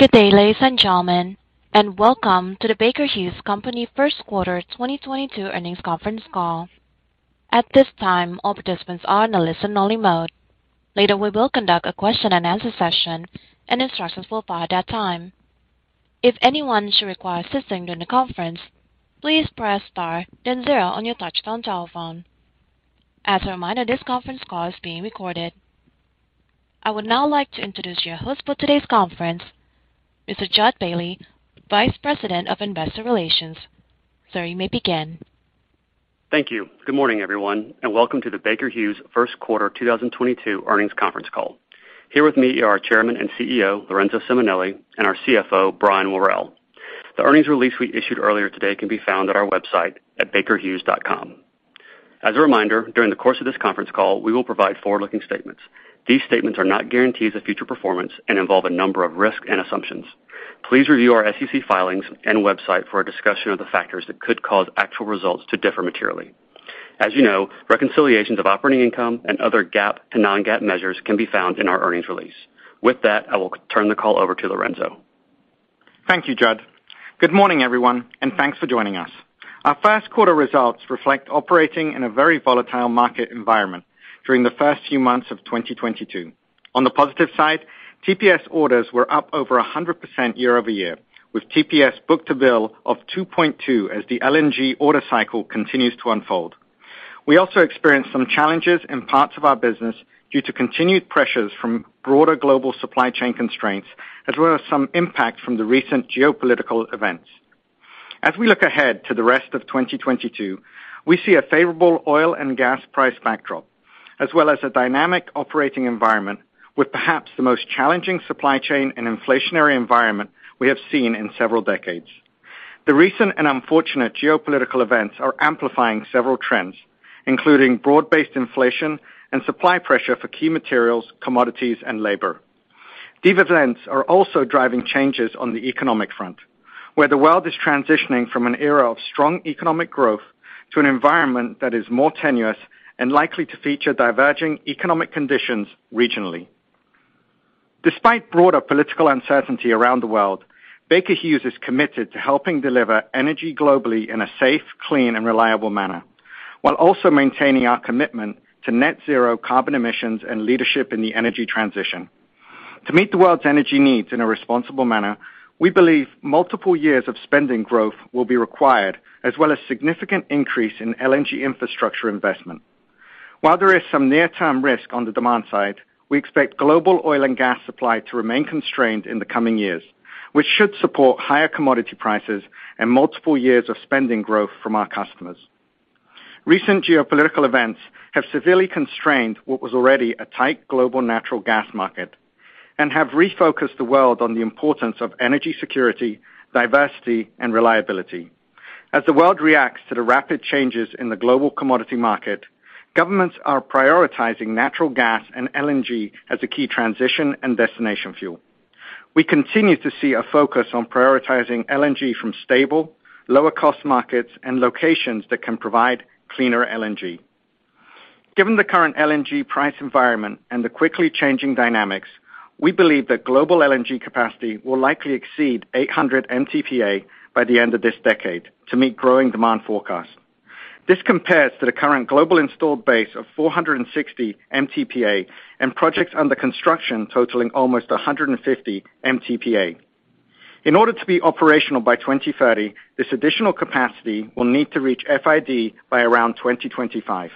Good day, ladies and gentlemen, and welcome to the Baker Hughes Company first quarter 2022 earnings conference call. At this time, all participants are in a listen only mode. Later, we will conduct a question and answer session, and instructions will follow at that time. If anyone should require assisting during the conference, please press star then zero on your touchtone telephone. As a reminder, this conference is being recorded. I would now like to introduce your host for today's conference, Mr. Jud Bailey, Vice President of Investor Relations. Sir, you may begin. Thank you. Good morning, everyone, and welcome to the Baker Hughes first quarter 2022 earnings conference call. Here with me are our Chairman and CEO, Lorenzo Simonelli, and our CFO, Brian Worrell. The earnings release we issued earlier today can be found at our website at bakerhughes.com. As a reminder, during the course of this conference call, we will provide forward-looking statements. These statements are not guarantees of future performance and involve a number of risks and assumptions. Please review our SEC filings and website for a discussion of the factors that could cause actual results to differ materially. As you know, reconciliations of operating income and other GAAP and non-GAAP measures can be found in our earnings release. With that, I will turn the call over to Lorenzo. Thank you, Jud. Good morning, everyone, and thanks for joining us. Our first quarter results reflect operating in a very volatile market environment during the first few months of 2022. On the positive side, TPS orders were up over 100% year-over-year, with TPS book-to-bill of 2.2 as the LNG order cycle continues to unfold. We also experienced some challenges in parts of our business due to continued pressures from broader global supply chain constraints, as well as some impact from the recent geopolitical events. As we look ahead to the rest of 2022, we see a favorable oil and gas price backdrop, as well as a dynamic operating environment with perhaps the most challenging supply chain and inflationary environment we have seen in several decades. The recent and unfortunate geopolitical events are amplifying several trends, including broad-based inflation and supply pressure for key materials, commodities and labor. These events are also driving changes on the economic front, where the world is transitioning from an era of strong economic growth to an environment that is more tenuous and likely to feature diverging economic conditions regionally. Despite broader political uncertainty around the world, Baker Hughes is committed to helping deliver energy globally in a safe, clean and reliable manner, while also maintaining our commitment to net zero carbon emissions and leadership in the energy transition. To meet the world's energy needs in a responsible manner, we believe multiple years of spending growth will be required, as well as significant increase in LNG infrastructure investment. While there is some near-term risk on the demand side, we expect global oil and gas supply to remain constrained in the coming years, which should support higher commodity prices and multiple years of spending growth from our customers. Recent geopolitical events have severely constrained what was already a tight global natural gas market and have refocused the world on the importance of energy security, diversity and reliability. As the world reacts to the rapid changes in the global commodity market, governments are prioritizing natural gas and LNG as a key transition and destination fuel. We continue to see a focus on prioritizing LNG from stable, lower cost markets and locations that can provide cleaner LNG. Given the current LNG price environment and the quickly changing dynamics, we believe that global LNG capacity will likely exceed 800 MTPA by the end of this decade to meet growing demand forecast. This compares to the current global installed base of 460 MTPA and projects under construction totaling almost 150 MTPA. In order to be operational by 2030, this additional capacity will need to reach FID by around 2025.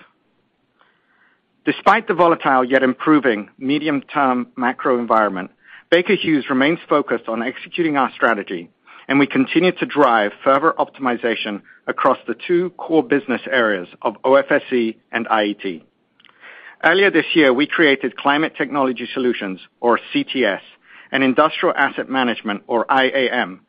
Despite the volatile, yet improving medium-term macro environment, Baker Hughes remains focused on executing our strategy, and we continue to drive further optimization across the two core business areas of OFSE and IET. Earlier this year, we created Climate Technology Solutions, or CTS, and Industrial Asset Management, or IAM.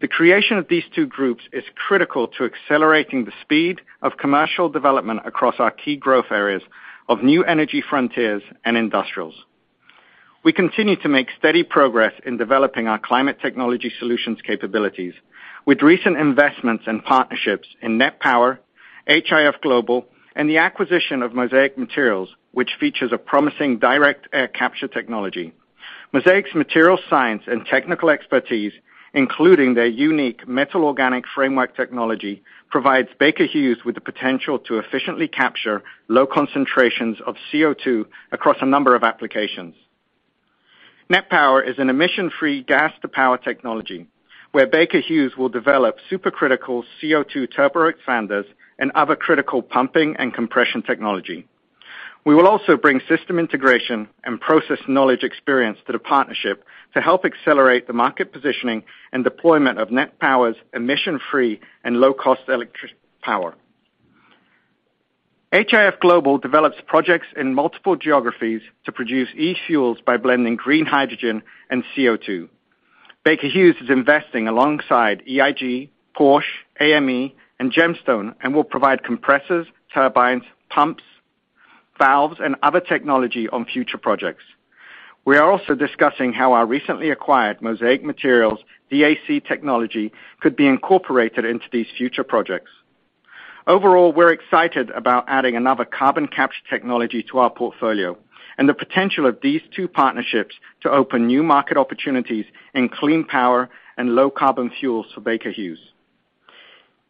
The creation of these two groups is critical to accelerating the speed of commercial development across our key growth areas of new energy frontiers and industrials. We continue to make steady progress in developing our Climate Technology Solutions capabilities with recent investments and partnerships in NET Power, HIF Global, and the acquisition of Mosaic Materials, which features a promising direct air capture technology. Mosaic's material science and technical expertise, including their unique metal-organic framework technology, provides Baker Hughes with the potential to efficiently capture low concentrations of CO₂ across a number of applications. NET Power is an emission-free gas to power technology, where Baker Hughes will develop supercritical CO₂ turboexpanders and other critical pumping and compression technology. We will also bring system integration and process knowledge experience to the partnership to help accelerate the market positioning and deployment of NET Power's emission-free and low-cost electric power. HIF Global develops projects in multiple geographies to produce e-fuels by blending green hydrogen and CO₂. Baker Hughes is investing alongside EIG, Porsche, AME, and Gemstone, and will provide compressors, turbines, pumps, valves, and other technology on future projects. We are also discussing how our recently acquired Mosaic Materials DAC technology could be incorporated into these future projects. Overall, we're excited about adding another carbon capture technology to our portfolio and the potential of these two partnerships to open new market opportunities in clean power and low carbon fuels for Baker Hughes.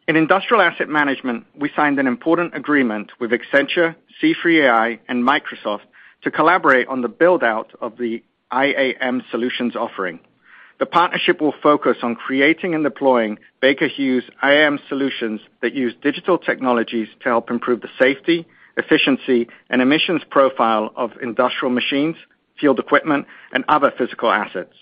In Industrial Asset Management, we signed an important agreement with Accenture, C3 AI, and Microsoft to collaborate on the build-out of the IAM solutions offering. The partnership will focus on creating and deploying Baker Hughes IAM solutions that use digital technologies to help improve the safety, efficiency, and emissions profile of industrial machines, field equipment, and other physical assets.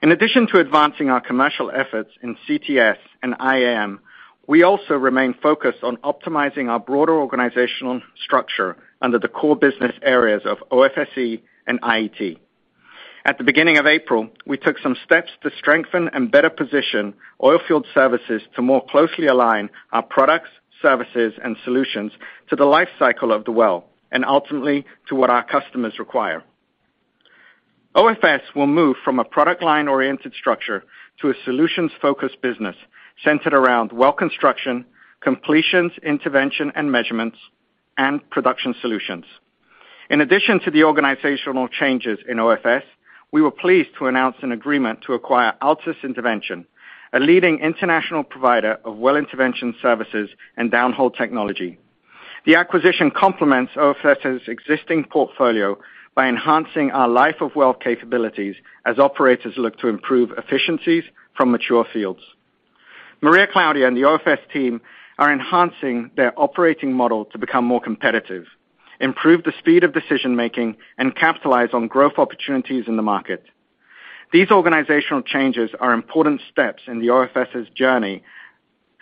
In addition to advancing our commercial efforts in CTS and IAM, we also remain focused on optimizing our broader organizational structure under the core business areas of OFSE and IET. At the beginning of April, we took some steps to strengthen and better position Oilfield Services to more closely align our products, services, and solutions to the life cycle of the well and ultimately, to what our customers require. OFS will move from a product line-oriented structure to a solutions-focused business centered around well construction, completions, intervention, and measurements, and production solutions. In addition to the organizational changes in OFS, we were pleased to announce an agreement to acquire Altus Intervention, a leading international provider of well intervention services and downhole technology. The acquisition complements OFS' existing portfolio by enhancing our life of well capabilities as operators look to improve efficiencies from mature fields. Maria Claudia and the OFS team are enhancing their operating model to become more competitive, improve the speed of decision-making, and capitalize on growth opportunities in the market. These organizational changes are important steps in the OFS' journey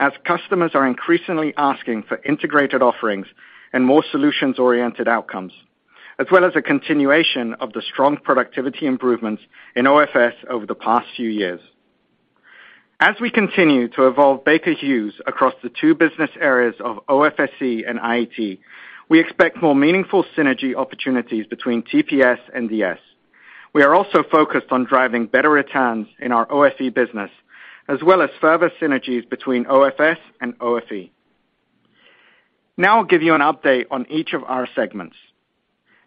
as customers are increasingly asking for integrated offerings and more solutions-oriented outcomes, as well as a continuation of the strong productivity improvements in OFS over the past few years. As we continue to evolve Baker Hughes across the two business areas of OFSE and IET, we expect more meaningful synergy opportunities between TPS and DS. We are also focused on driving better returns in our OFE business, as well as further synergies between OFS and OFE. Now I'll give you an update on each of our segments.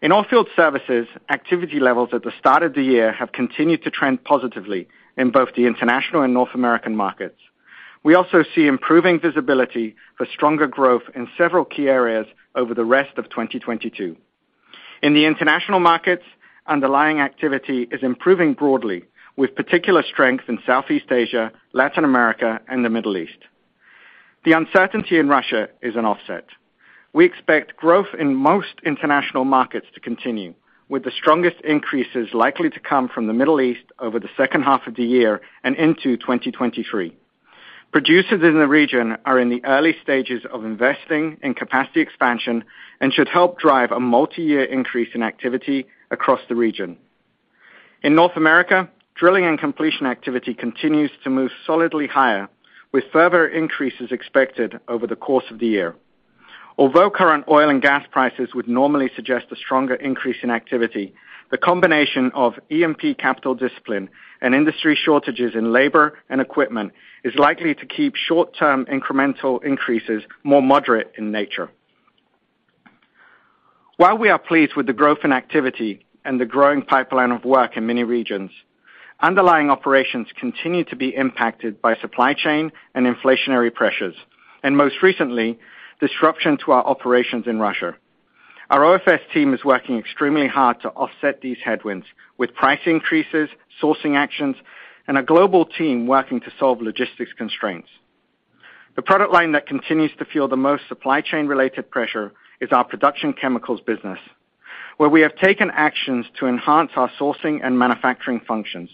In Oilfield Services, activity levels at the start of the year have continued to trend positively in both the international and North American markets. We also see improving visibility for stronger growth in several key areas over the rest of 2022. In the international markets, underlying activity is improving broadly, with particular strength in Southeast Asia, Latin America, and the Middle East. The uncertainty in Russia is an offset. We expect growth in most international markets to continue, with the strongest increases likely to come from the Middle East over the second half of the year and into 2023. Producers in the region are in the early stages of investing in capacity expansion and should help drive a multiyear increase in activity across the region. In North America, drilling and completion activity continues to move solidly higher, with further increases expected over the course of the year. Although current oil and gas prices would normally suggest a stronger increase in activity, the combination of E&P capital discipline and industry shortages in labor and equipment is likely to keep short-term incremental increases more moderate in nature. While we are pleased with the growth in activity and the growing pipeline of work in many regions, underlying operations continue to be impacted by supply chain and inflationary pressures, and most recently, disruption to our operations in Russia. Our OFS team is working extremely hard to offset these headwinds with price increases, sourcing actions, and a global team working to solve logistics constraints. The product line that continues to feel the most supply chain-related pressure is our production chemicals business, where we have taken actions to enhance our sourcing and manufacturing functions.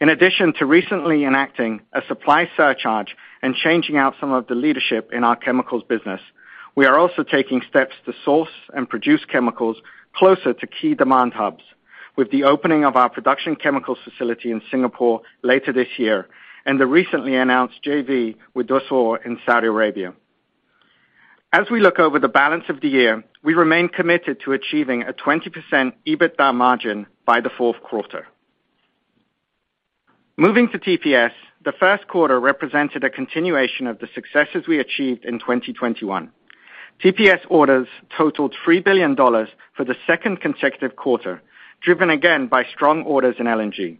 In addition to recently enacting a supply surcharge and changing out some of the leadership in our chemicals business, we are also taking steps to source and produce chemicals closer to key demand hubs with the opening of our production chemicals facility in Singapore later this year and the recently announced JV with Dussur in Saudi Arabia. As we look over the balance of the year, we remain committed to achieving a 20% EBITDA margin by the fourth quarter. Moving to TPS, the first quarter represented a continuation of the successes we achieved in 2021. TPS orders totaled $3 billion for the second consecutive quarter, driven again by strong orders in LNG.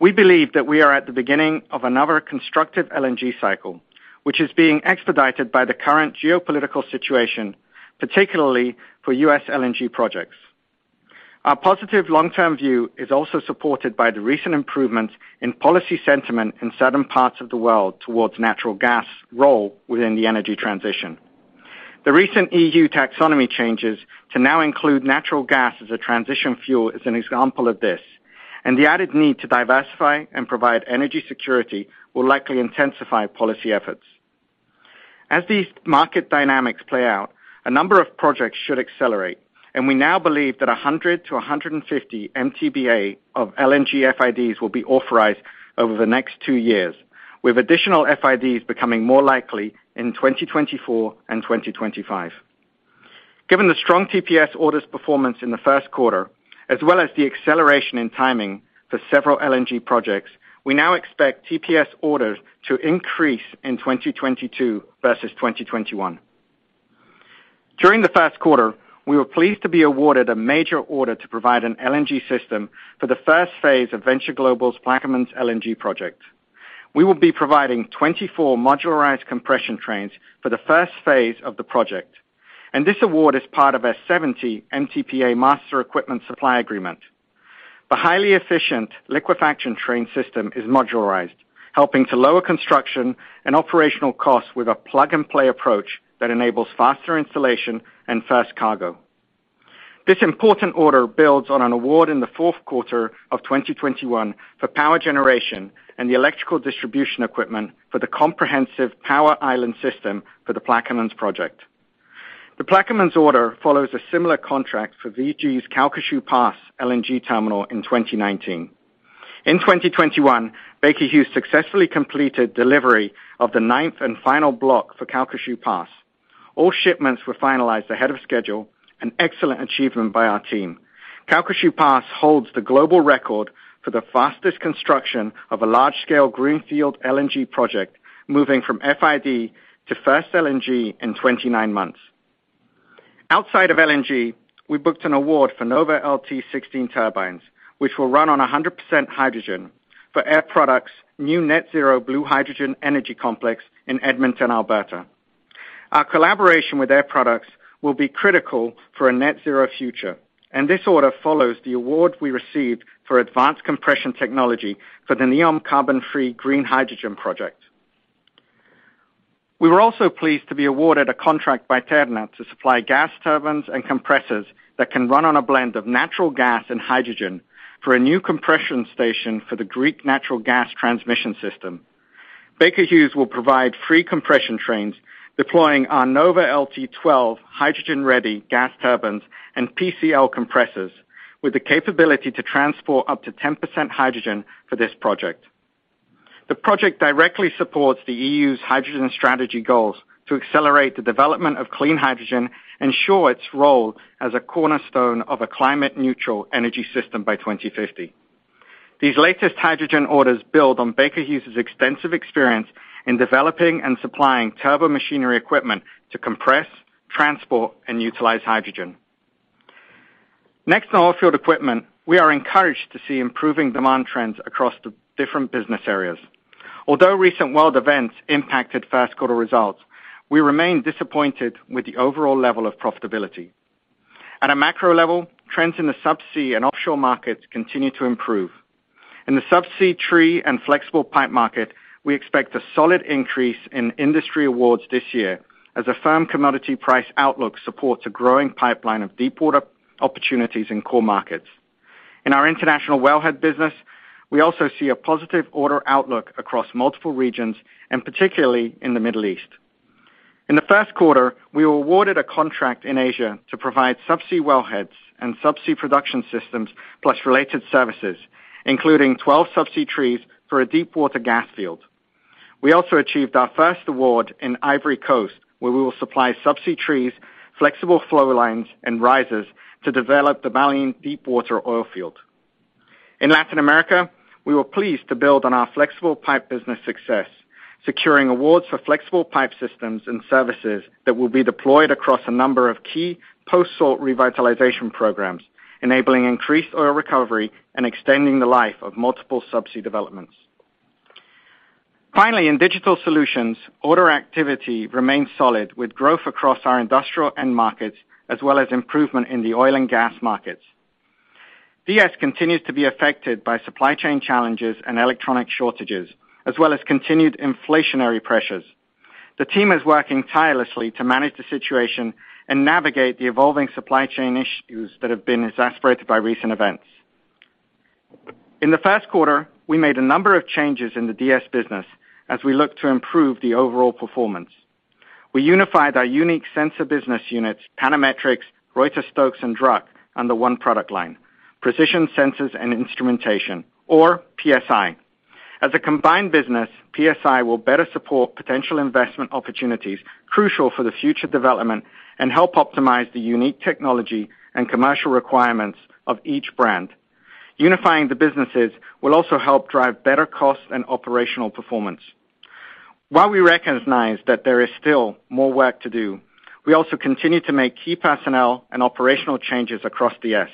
We believe that we are at the beginning of another constructive LNG cycle, which is being expedited by the current geopolitical situation, particularly for U.S. LNG projects. Our positive long-term view is also supported by the recent improvements in policy sentiment in certain parts of the world towards natural gas role within the energy transition. The recent EU taxonomy changes to now include natural gas as a transition fuel is an example of this, and the added need to diversify and provide energy security will likely intensify policy efforts. As these market dynamics play out, a number of projects should accelerate, and we now believe that 100 MTPA-150 MTPA of LNG FIDs will be authorized over the next two years, with additional FIDs becoming more likely in 2024 and 2025. Given the strong TPS orders performance in the first quarter, as well as the acceleration in timing for several LNG projects, we now expect TPS orders to increase in 2022 versus 2021. During the first quarter, we were pleased to be awarded a major order to provide an LNG system for the first phase of Venture Global's Plaquemines LNG project. We will be providing 24 modularized compression trains for the first phase of the project, and this award is part of a 70 MTPA master equipment supply agreement. The highly efficient liquefaction train system is modularized, helping to lower construction and operational costs with a plug-and-play approach that enables faster installation and first cargo. This important order builds on an award in the fourth quarter of 2021 for power generation and the electrical distribution equipment for the comprehensive power island system for the Plaquemines project. The Plaquemines order follows a similar contract for VG's Calcasieu Pass LNG terminal in 2019. In 2021, Baker Hughes successfully completed delivery of the ninth and final block for Calcasieu Pass. All shipments were finalized ahead of schedule, an excellent achievement by our team. Calcasieu Pass holds the global record for the fastest construction of a large-scale greenfield LNG project, moving from FID to first LNG in 29 months. Outside of LNG, we booked an award for NovaLT16 turbines, which will run on 100% hydrogen for Air Products' new net zero blue hydrogen energy complex in Edmonton, Alberta. Our collaboration with Air Products will be critical for a net zero future, and this order follows the award we received for advanced compression technology for the NEOM carbon-free green hydrogen project. We were also pleased to be awarded a contract by TERNA to supply gas turbines and compressors that can run on a blend of natural gas and hydrogen for a new compression station for the Greek natural gas transmission system. Baker Hughes will provide three compression trains deploying our NovaLT12 hydrogen-ready gas turbines and PCL compressors with the capability to transport up to 10% hydrogen for this project. The project directly supports the E.U.'s hydrogen strategy goals to accelerate the development of clean hydrogen, ensure its role as a cornerstone of a climate neutral energy system by 2050. These latest hydrogen orders build on Baker Hughes's extensive experience in developing and supplying turbomachinery equipment to compress, transport, and utilize hydrogen. Next, in Oilfield Equipment, we are encouraged to see improving demand trends across the different business areas. Although recent world events impacted first quarter results, we remain disappointed with the overall level of profitability. At a macro level, trends in the subsea and offshore markets continue to improve. In the subsea tree and flexible pipe market, we expect a solid increase in industry awards this year as a firm commodity price outlook supports a growing pipeline of deepwater opportunities in core markets. In our international wellhead business, we also see a positive order outlook across multiple regions, and particularly in the Middle East. In the first quarter, we were awarded a contract in Asia to provide subsea wellheads and subsea production systems, plus related services, including 12 subsea trees for a deepwater gas field. We also achieved our first award in Ivory Coast, where we will supply subsea trees, flexible flow lines, and risers to develop the Baleine deepwater oil field. In Latin America, we were pleased to build on our flexible pipe business success, securing awards for flexible pipe systems and services that will be deployed across a number of key post-salt revitalization programs, enabling increased oil recovery and extending the life of multiple subsea developments. Finally, in Digital Solutions, order activity remains solid with growth across our industrial end markets, as well as improvement in the oil and gas markets. DS continues to be affected by supply chain challenges and electronic shortages, as well as continued inflationary pressures. The team is working tirelessly to manage the situation and navigate the evolving supply chain issues that have been exacerbated by recent events. In the first quarter, we made a number of changes in the DS business as we look to improve the overall performance. We unified our unique sensor business units, Panametrics, Reuter-Stokes, and Druck under one product line, Precision Sensors & Instrumentation, or PSI. As a combined business, PSI will better support potential investment opportunities crucial for the future development and help optimize the unique technology and commercial requirements of each brand. Unifying the businesses will also help drive better cost and operational performance. While we recognize that there is still more work to do, we also continue to make key personnel and operational changes across DS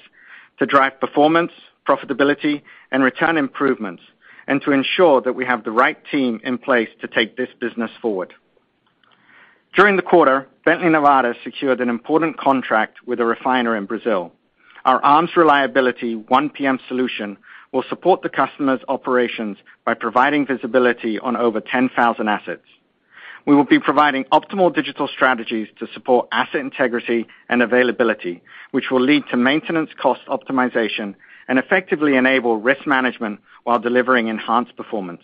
to drive performance, profitability, and return improvements, and to ensure that we have the right team in place to take this business forward. During the quarter, Bently Nevada secured an important contract with a refiner in Brazil. Our ARMS Reliability OnePM solution will support the customer's operations by providing visibility on over 10,000 assets. We will be providing optimal digital strategies to support asset integrity and availability, which will lead to maintenance cost optimization and effectively enable risk management while delivering enhanced performance.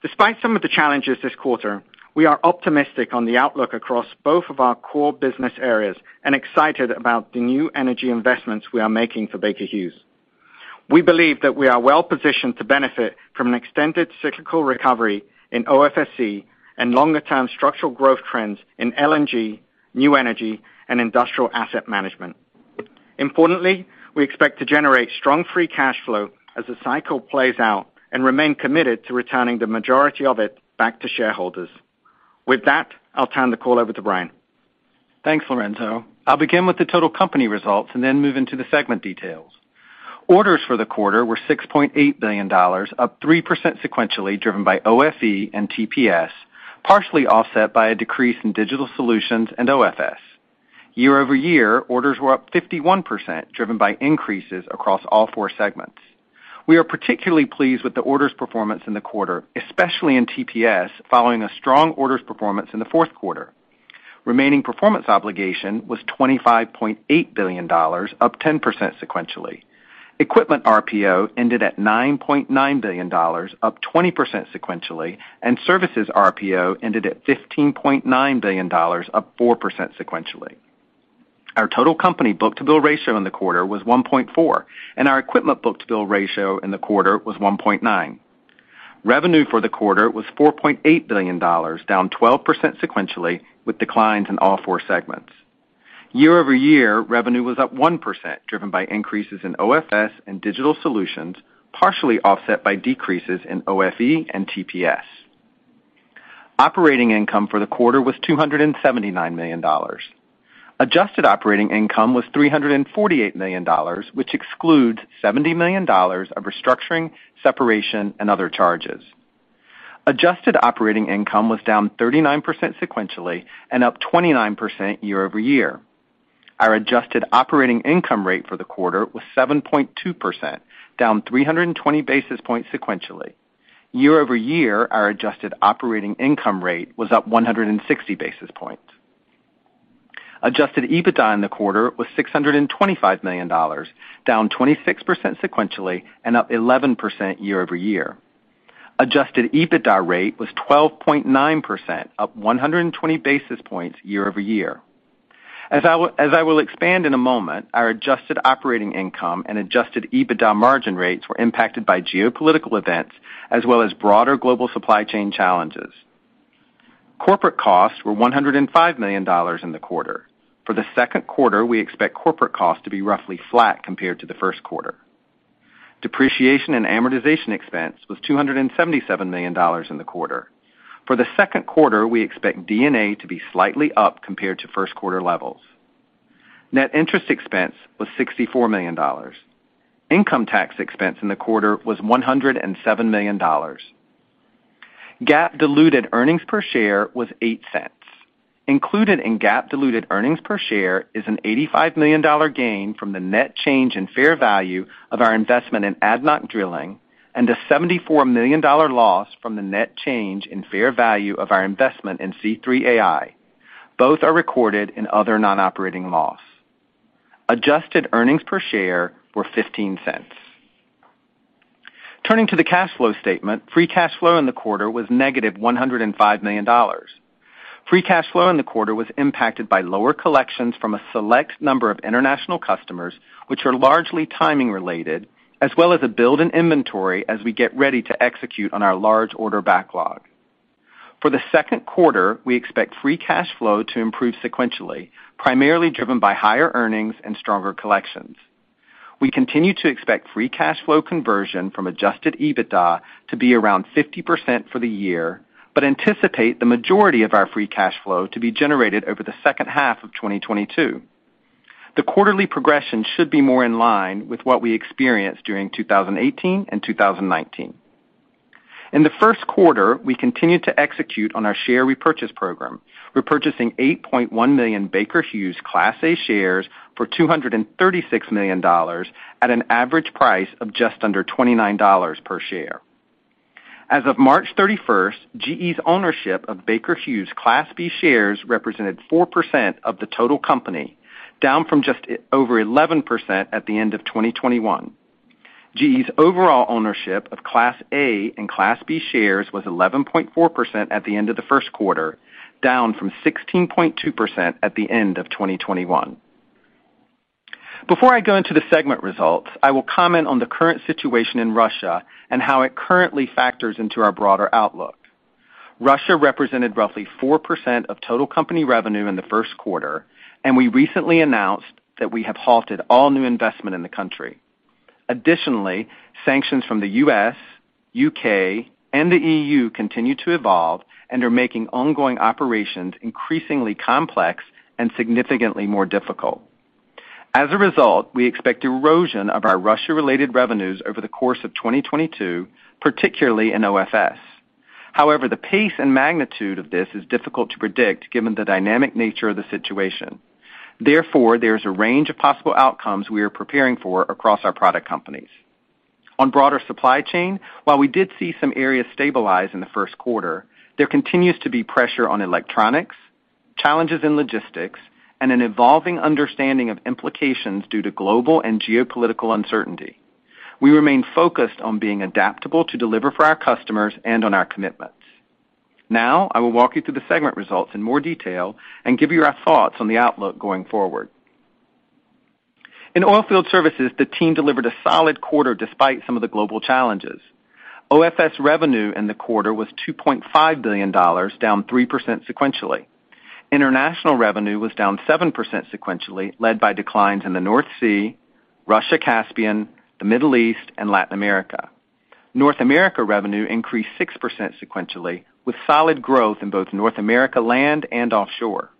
Despite some of the challenges this quarter, we are optimistic on the outlook across both of our core business areas and excited about the new energy investments we are making for Baker Hughes. We believe that we are well-positioned to benefit from an extended cyclical recovery in OFSC and longer-term structural growth trends in LNG, new energy, and Industrial Asset Management. Importantly, we expect to generate strong free cash flow as the cycle plays out and remain committed to returning the majority of it back to shareholders. With that, I'll turn the call over to Brian. Thanks, Lorenzo. I'll begin with the total company results and then move into the segment details. Orders for the quarter were $6.8 billion, up 3% sequentially, driven by OFE and TPS, partially offset by a decrease in Digital Solutions and OFS. Year-over-year, orders were up 51%, driven by increases across all four segments. We are particularly pleased with the orders performance in the quarter, especially in TPS, following a strong orders performance in the fourth quarter. Remaining performance obligation was $25.8 billion, up 10% sequentially. Equipment RPO ended at $9.9 billion, up 20% sequentially, and services RPO ended at $15.9 billion, up 4% sequentially. Our total company book-to-bill ratio in the quarter was 1.4, and our equipment book-to-bill ratio in the quarter was 1.9. Revenue for the quarter was $4.8 billion, down 12% sequentially, with declines in all four segments. Year-over-year, revenue was up 1%, driven by increases in OFS and digital solutions, partially offset by decreases in OFE and TPS. Operating income for the quarter was $279 million. Adjusted operating income was $348 million, which excludes $70 million of restructuring, separation, and other charges. Adjusted operating income was down 39% sequentially and up 29% year-over-year. Our adjusted operating income rate for the quarter was 7.2%, down 320 basis points sequentially. Year-over-year, our adjusted operating income rate was up 160 basis points. Adjusted EBITDA in the quarter was $625 million, down 26% sequentially and up 11% year-over-year. Adjusted EBITDA rate was 12.9%, up 120 basis points year-over-year. As I will expand in a moment, our adjusted operating income and adjusted EBITDA margin rates were impacted by geopolitical events as well as broader global supply chain challenges. Corporate costs were $105 million in the quarter. For the second quarter, we expect corporate costs to be roughly flat compared to the first quarter. Depreciation and amortization expense was $277 million in the quarter. For the second quarter, we expect D&A to be slightly up compared to first quarter levels. Net interest expense was $64 million. Income tax expense in the quarter was $107 million. GAAP diluted earnings per share was $0.08. Included in GAAP diluted earnings per share is an $85 million gain from the net change in fair value of our investment in ADNOC Drilling and a $74 million loss from the net change in fair value of our investment in C3 AI. Both are recorded in other non-operating loss. Adjusted earnings per share were $0.15. Turning to the cash flow statement, free cash flow in the quarter was -$105 million. Free cash flow in the quarter was impacted by lower collections from a select number of international customers, which are largely timing-related, as well as a build in inventory as we get ready to execute on our large order backlog. For the second quarter, we expect free cash flow to improve sequentially, primarily driven by higher earnings and stronger collections. We continue to expect free cash flow conversion from adjusted EBITDA to be around 50% for the year, but anticipate the majority of our free cash flow to be generated over the second half of 2022. The quarterly progression should be more in line with what we experienced during 2018 and 2019. In the first quarter, we continued to execute on our share repurchase program, repurchasing 8.1 million Baker Hughes Class A shares for $236 million at an average price of just under $29 per share. As of March 31st 2022, GE's ownership of Baker Hughes Class B shares represented 4% of the total company, down from just over 11% at the end of 2021. GE's overall ownership of Class A and Class B shares was 11.4% at the end of the first quarter, down from 16.2% at the end of 2021. Before I go into the segment results, I will comment on the current situation in Russia and how it currently factors into our broader outlook. Russia represented roughly 4% of total company revenue in the first quarter, and we recently announced that we have halted all new investment in the country. Additionally, sanctions from the U.S., U.K., and the E.U. continue to evolve and are making ongoing operations increasingly complex and significantly more difficult. As a result, we expect erosion of our Russia-related revenues over the course of 2022, particularly in OFS. However, the pace and magnitude of this is difficult to predict given the dynamic nature of the situation. Therefore, there's a range of possible outcomes we are preparing for across our product companies. On broader supply chain, while we did see some areas stabilize in the first quarter, there continues to be pressure on electronics, challenges in logistics, and an evolving understanding of implications due to global and geopolitical uncertainty. We remain focused on being adaptable to deliver for our customers and on our commitments. Now, I will walk you through the segment results in more detail and give you our thoughts on the outlook going forward. In Oilfield Services, the team delivered a solid quarter despite some of the global challenges. OFS revenue in the quarter was $2.5 billion, down 3% sequentially. International revenue was down 7% sequentially, led by declines in the North Sea, Russia-Caspian, the Middle East and Latin America. North America revenue increased 6% sequentially, with solid growth in both North America land and offshore.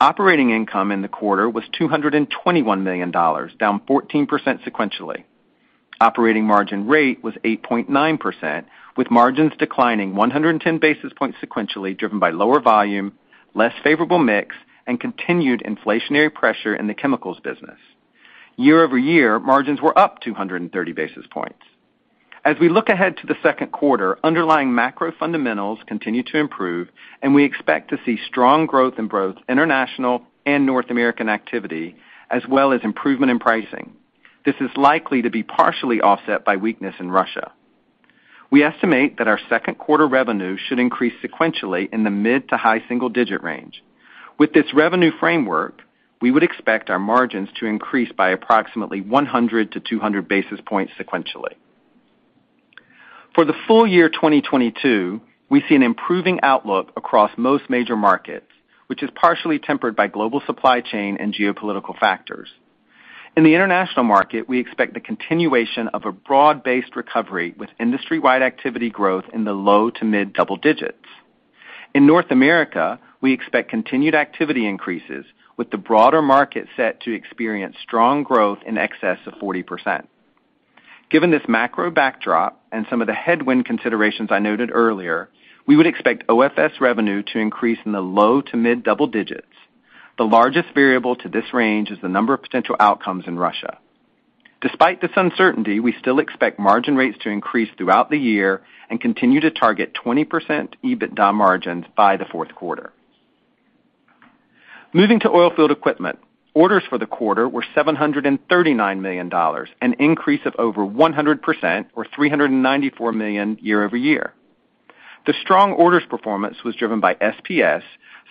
Operating income in the quarter was $221 million, down 14% sequentially. Operating margin rate was 8.9%, with margins declining 110 basis points sequentially, driven by lower volume, less favorable mix, and continued inflationary pressure in the chemicals business. Year-over-year, margins were up 230 basis points. As we look ahead to the second quarter, underlying macro fundamentals continue to improve, and we expect to see strong growth in both international and North American activity, as well as improvement in pricing. This is likely to be partially offset by weakness in Russia. We estimate that our second quarter revenue should increase sequentially in the mid- to high single-digit range. With this revenue framework, we would expect our margins to increase by approximately 100-200 basis points sequentially. For the full year 2022, we see an improving outlook across most major markets, which is partially tempered by global supply chain and geopolitical factors. In the international market, we expect the continuation of a broad-based recovery with industry-wide activity growth in the low- to mid double digits. In North America, we expect continued activity increases, with the broader market set to experience strong growth in excess of 40%. Given this macro backdrop and some of the headwind considerations I noted earlier, we would expect OFS revenue to increase in the low- to mid double digits. The largest variable to this range is the number of potential outcomes in Russia. Despite this uncertainty, we still expect margin rates to increase throughout the year and continue to target 20% EBITDA margins by the fourth quarter. Moving to oilfield equipment. Orders for the quarter were $739 million, an increase of over 100% or $394 million year-over-year. The strong orders performance was driven by SPS,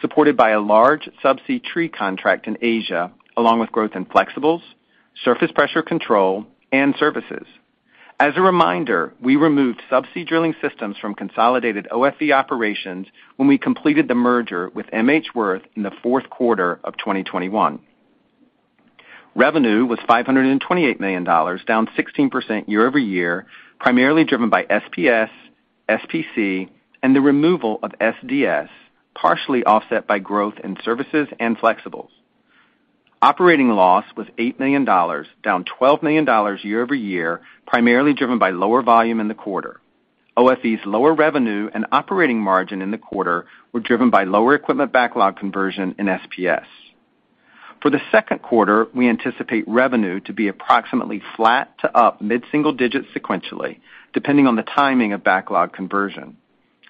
supported by a large subsea tree contract in Asia, along with growth in flexibles, surface pressure control, and services. As a reminder, we removed subsea drilling systems from consolidated OFE operations when we completed the merger with MHWirth in the fourth quarter of 2021. Revenue was $528 million, down 16% year-over-year, primarily driven by SPS, SPC, and the removal of SDS, partially offset by growth in services and flexibles. Operating loss was $8 million, down $12 million year-over-year, primarily driven by lower volume in the quarter. OFE's lower revenue and operating margin in the quarter were driven by lower equipment backlog conversion in SPS. For the second quarter, we anticipate revenue to be approximately flat to up mid-single-digit sequentially, depending on the timing of backlog conversion.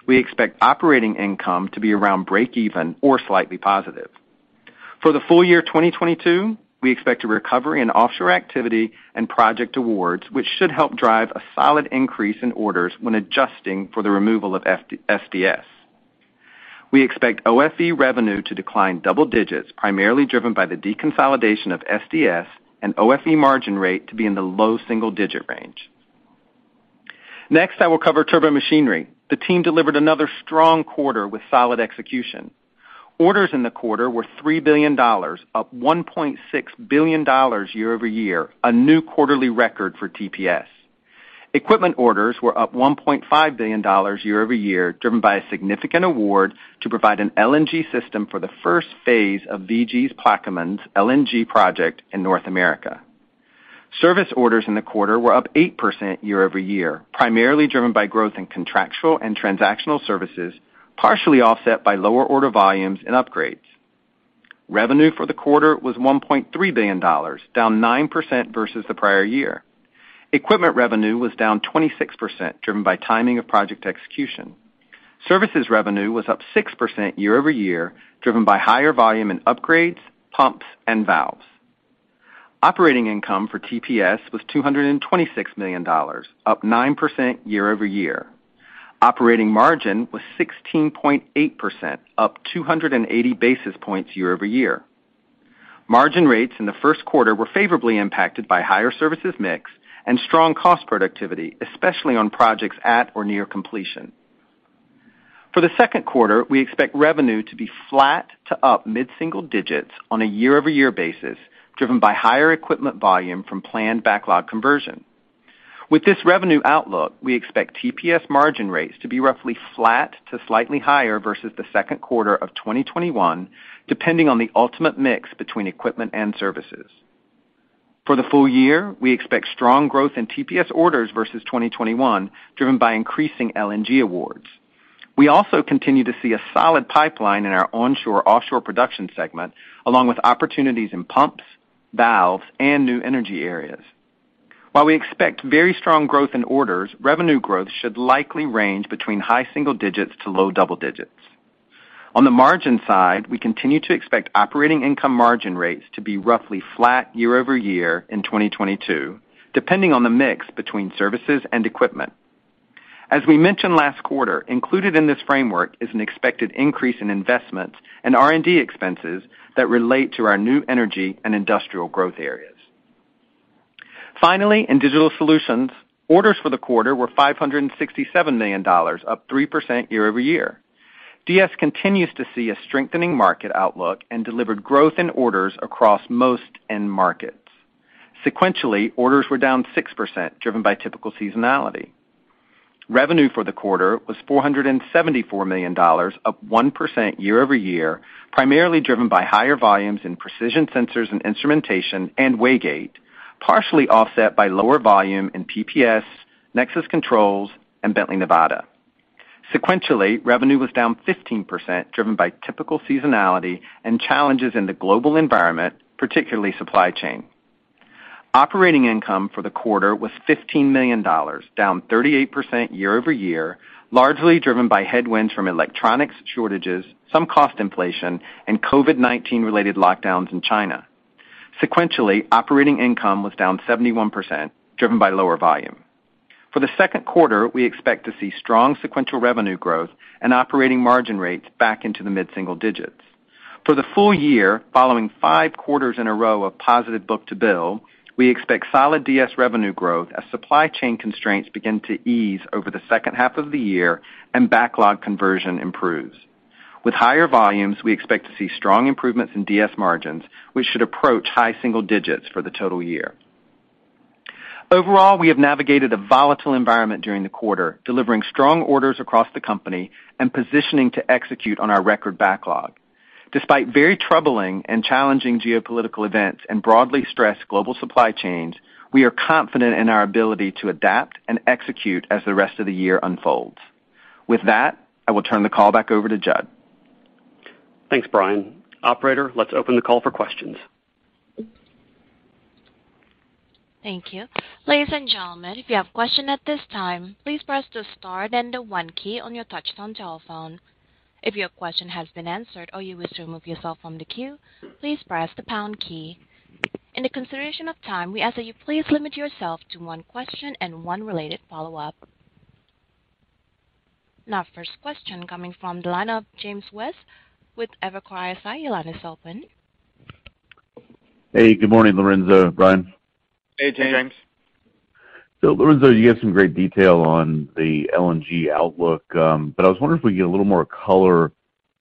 We expect operating income to be around break even or slightly positive. For the full year 2022, we expect a recovery in offshore activity and project awards, which should help drive a solid increase in orders when adjusting for the removal of SDS. We expect OFE revenue to decline double digits, primarily driven by the deconsolidation of SDS and OFE margin rate to be in the low single-digit range. Next, I will cover Turbomachinery. The team delivered another strong quarter with solid execution. Orders in the quarter were $3 billion, up $1.6 billion year-over-year, a new quarterly record for TPS. Equipment orders were up $1.5 billion year-over-year, driven by a significant award to provide an LNG system for the first phase of BG's Plaquemines LNG project in North America. Service orders in the quarter were up 8% year-over-year, primarily driven by growth in contractual and transactional services, partially offset by lower order volumes and upgrades. Revenue for the quarter was $1.3 billion, down 9% versus the prior year. Equipment revenue was down 26%, driven by timing of project execution. Services revenue was up 6% year-over-year, driven by higher volume in upgrades, pumps, and valves. Operating income for TPS was $226 million, up 9% year-over-year. Operating margin was 16.8%, up 280 basis points year-over-year. Margin rates in the first quarter were favorably impacted by higher services mix and strong cost productivity, especially on projects at or near completion. For the second quarter, we expect revenue to be flat to up mid-single digits on a year-over-year basis, driven by higher equipment volume from planned backlog conversion. With this revenue outlook, we expect TPS margin rates to be roughly flat to slightly higher versus the second quarter of 2021, depending on the ultimate mix between equipment and services. For the full year, we expect strong growth in TPS orders versus 2021, driven by increasing LNG awards. We also continue to see a solid pipeline in our onshore-offshore production segment, along with opportunities in pumps, valves, and new energy areas. While we expect very strong growth in orders, revenue growth should likely range between high single digits to low double digits. On the margin side, we continue to expect operating income margin rates to be roughly flat year-over-year in 2022, depending on the mix between services and equipment. As we mentioned last quarter, included in this framework is an expected increase in investments and R&D expenses that relate to our new energy and industrial growth areas. Finally, in Digital Solutions, orders for the quarter were $567 million, up 3% year-over-year. DS continues to see a strengthening market outlook and delivered growth in orders across most end markets. Sequentially, orders were down 6%, driven by typical seasonality. Revenue for the quarter was $474 million, up 1% year-over-year, primarily driven by higher volumes in Precision Sensors and Instrumentation and Waygate, partially offset by lower volume in PPS, Nexus Controls and Bently Nevada. Sequentially, revenue was down 15%, driven by typical seasonality and challenges in the global environment, particularly supply chain. Operating income for the quarter was $15 million, down 38% year-over-year, largely driven by headwinds from electronics shortages, some cost inflation and COVID-19 related lockdowns in China. Sequentially, operating income was down 71%, driven by lower volume. For the second quarter, we expect to see strong sequential revenue growth and operating margin rates back into the mid-single digits. For the full year, following five quarters in a row of positive book-to-bill, we expect solid DS revenue growth as supply chain constraints begin to ease over the second half of the year and backlog conversion improves. With higher volumes, we expect to see strong improvements in DS margins, which should approach high single digits for the total year. Overall, we have navigated a volatile environment during the quarter, delivering strong orders across the company and positioning to execute on our record backlog. Despite very troubling and challenging geopolitical events and broadly stressed global supply chains, we are confident in our ability to adapt and execute as the rest of the year unfolds. With that, I will turn the call back over to Jud. Thanks, Brian. Operator, let's open the call for questions. Thank you. Ladies and gentlemen, if you have a question at this time, please press the star then the one key on your touch-tone telephone. If your question has been answered or you wish to remove yourself from the queue, please press the pound key. In consideration of time, we ask that you please limit yourself to one question and one related follow-up. Now first question coming from the line of James West with Evercore ISI. Your line is open. Hey, good morning, Lorenzo, Brian. Hey, James. Lorenzo, you have some great detail on the LNG outlook, but I was wondering if we could get a little more color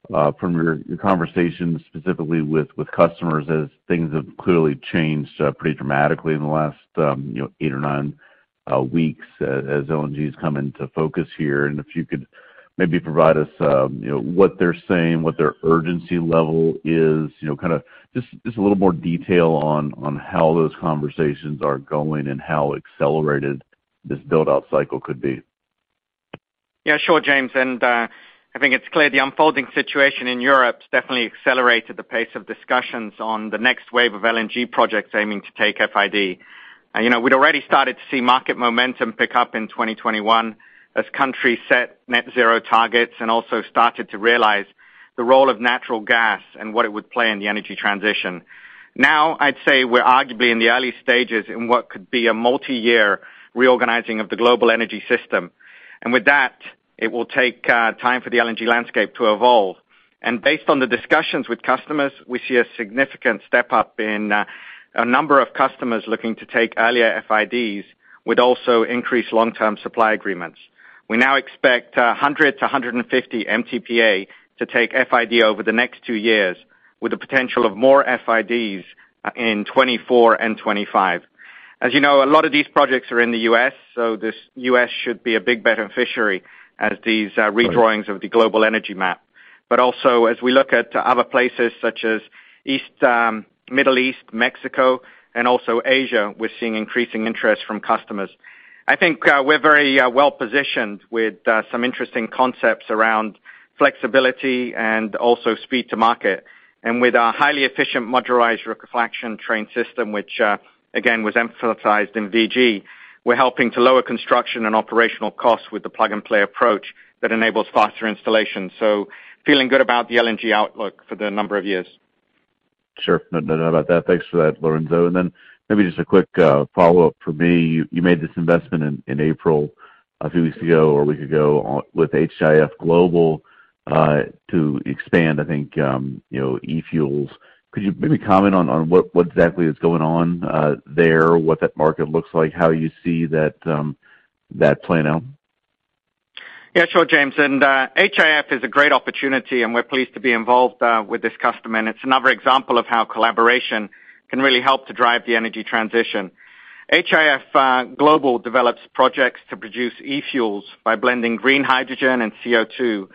from your conversations specifically with customers as things have clearly changed pretty dramatically in the last, you know, eight or nine weeks as LNG has come into focus here. If you could maybe provide us, you know, what they're saying, what their urgency level is. You know, kind of just a little more detail on how those conversations are going and how accelerated this build-out cycle could be. Yeah, sure, James. I think it's clear the unfolding situation in Europe definitely accelerated the pace of discussions on the next wave of LNG projects aiming to take FID. You know, we'd already started to see market momentum pick up in 2021 as countries set net zero targets and also started to realize the role of natural gas and what it would play in the energy transition. Now, I'd say we're arguably in the early stages in what could be a multi-year reorganizing of the global energy system. With that, it will take time for the LNG landscape to evolve. Based on the discussions with customers, we see a significant step up in a number of customers looking to take earlier FIDs, with also increased long-term supply agreements. We now expect 100 MTPA-150 MTPA to take FID over the next two years, with the potential of more FIDs in 2024 and 2025. As you know, a lot of these projects are in the U.S., so this U.S. should be a big beneficiary as these redrawings of the global energy map. As we look at other places such as the East, Middle East, Mexico, and also Asia, we're seeing increasing interest from customers. I think we're very well-positioned with some interesting concepts around flexibility and also speed to market. With our highly efficient modularized liquefaction train system, which again was emphasized in VG, we're helping to lower construction and operational costs with the plug-and-play approach that enables faster installation. Feeling good about the LNG outlook for a number of years. Sure. No doubt about that. Thanks for that, Lorenzo. Maybe just a quick follow-up from me. You made this investment in April, a few weeks ago, or a week ago with HIF Global to expand, I think, you know, e-fuels. Could you maybe comment on what exactly is going on there, what that market looks like, how you see that playing out? Yeah, sure, James. HIF is a great opportunity, and we're pleased to be involved with this customer, and it's another example of how collaboration can really help to drive the energy transition. HIF Global develops projects to produce e-fuels by blending green hydrogen and CO2.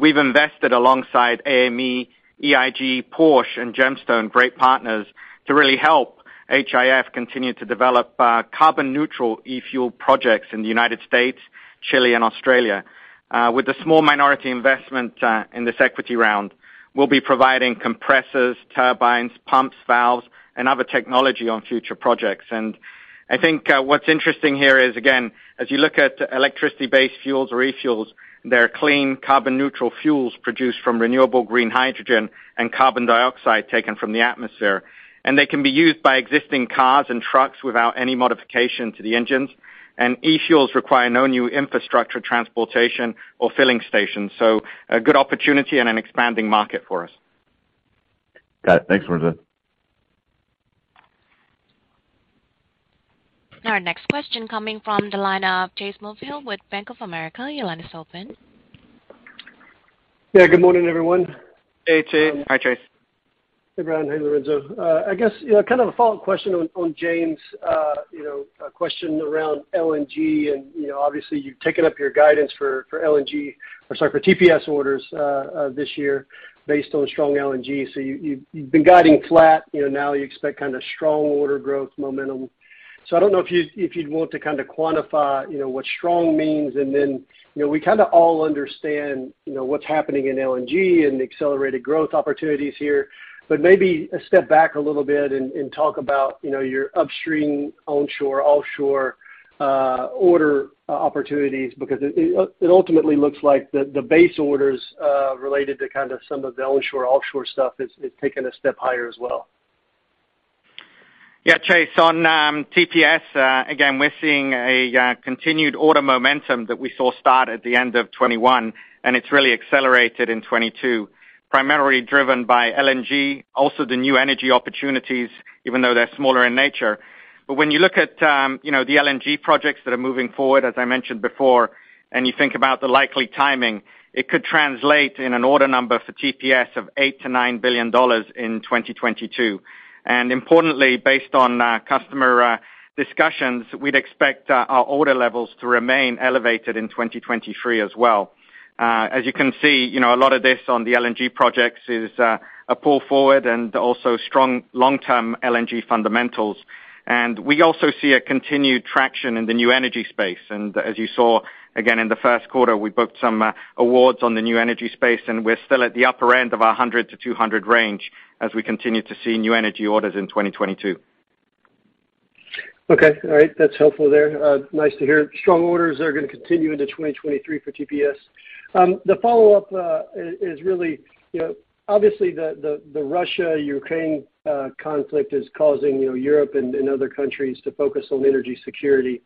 We've invested alongside AME, EIG, Porsche and Gemstone, great partners, to really help HIF continue to develop carbon neutral e-fuel projects in the United States, Chile and Australia. With the small minority investment in this equity round, we'll be providing compressors, turbines, pumps, valves, and other technology on future projects. I think what's interesting here is, again, as you look at electricity-based fuels or e-fuels, they're clean, carbon-neutral fuels produced from renewable green hydrogen and carbon dioxide taken from the atmosphere, and they can be used by existing cars and trucks without any modification to the engines. E-fuels require no new infrastructure, transportation, or filling stations. A good opportunity and an expanding market for us. Got it. Thanks, Lorenzo. Our next question coming from the line of Chase Mulvehill with Bank of America. Your line is open. Yeah, good morning, everyone. Hey, Chase. Hi, Chase. Hey, Brian. Hey, Lorenzo. I guess, you know, kind of a follow-up question on James', you know, question around LNG and, you know, obviously you've taken up your guidance for LNG, or for TPS orders this year based on strong LNG. You've been guiding flat, you know, now you expect kind of strong order growth momentum. I don't know if you'd want to kind of quantify, you know, what strong means. Then, you know, we kind of all understand, you know, what's happening in LNG and the accelerated growth opportunities here, but maybe a step back a little bit and talk about, you know, your upstream onshore/offshore order opportunities because it ultimately looks like the base orders related to kind of some of the onshore/offshore stuff has taken a step higher as well. Yeah, Chase, on TPS, again, we're seeing a continued order momentum that we saw start at the end of 2021, and it's really accelerated in 2022, primarily driven by LNG, also the new energy opportunities, even though they're smaller in nature. When you look at, you know, the LNG projects that are moving forward, as I mentioned before, and you think about the likely timing, it could translate in an order number for TPS of $8 billion-$9 billion in 2022. Importantly, based on customer discussions, we'd expect our order levels to remain elevated in 2023 as well. As you can see, you know, a lot of this on the LNG projects is a pull forward and also strong long-term LNG fundamentals. We also see a continued traction in the new energy space. As you saw, again, in the first quarter, we booked some awards on the new energy space, and we're still at the upper end of our 100-200 range as we continue to see new energy orders in 2022. Okay. All right. That's helpful there. Nice to hear strong orders that are gonna continue into 2023 for TPS. The follow-up is really, you know, obviously the Russia-Ukraine conflict is causing, you know, Europe and other countries to focus on energy security.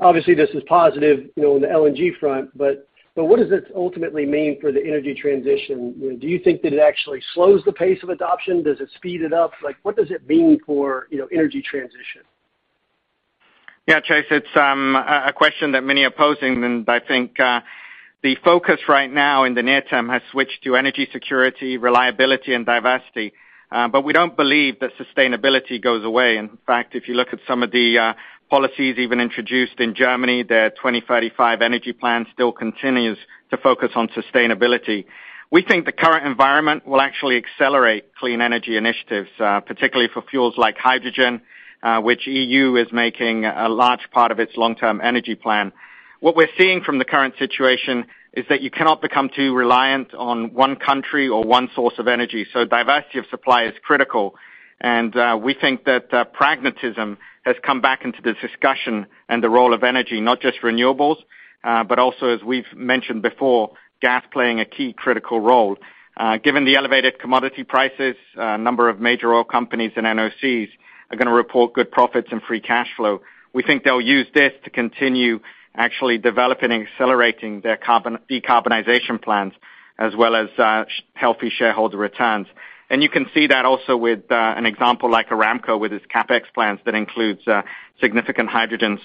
Obviously this is positive, you know, in the LNG front, but what does this ultimately mean for the energy transition? You know, do you think that it actually slows the pace of adoption? Does it speed it up? Like, what does it mean for, you know, energy transition? Yeah, Chase, it's a question that many are posing, and I think the focus right now in the near term has switched to energy security, reliability, and diversity. We don't believe that sustainability goes away. In fact, if you look at some of the policies even introduced in Germany, their 2035 energy plan still continues to focus on sustainability. We think the current environment will actually accelerate clean energy initiatives, particularly for fuels like hydrogen, which E.U. is making a large part of its long-term energy plan. What we're seeing from the current situation is that you cannot become too reliant on one country or one source of energy, so diversity of supply is critical. We think that pragmatism has come back into this discussion and the role of energy, not just renewables, but also as we've mentioned before, gas playing a key critical role. Given the elevated commodity prices, a number of major oil companies and NOCs are gonna report good profits and free cash flow. We think they'll use this to continue actually developing and accelerating their decarbonization plans as well as healthy shareholder returns. You can see that also with an example like Aramco with its CapEx plans that includes significant hydrogen.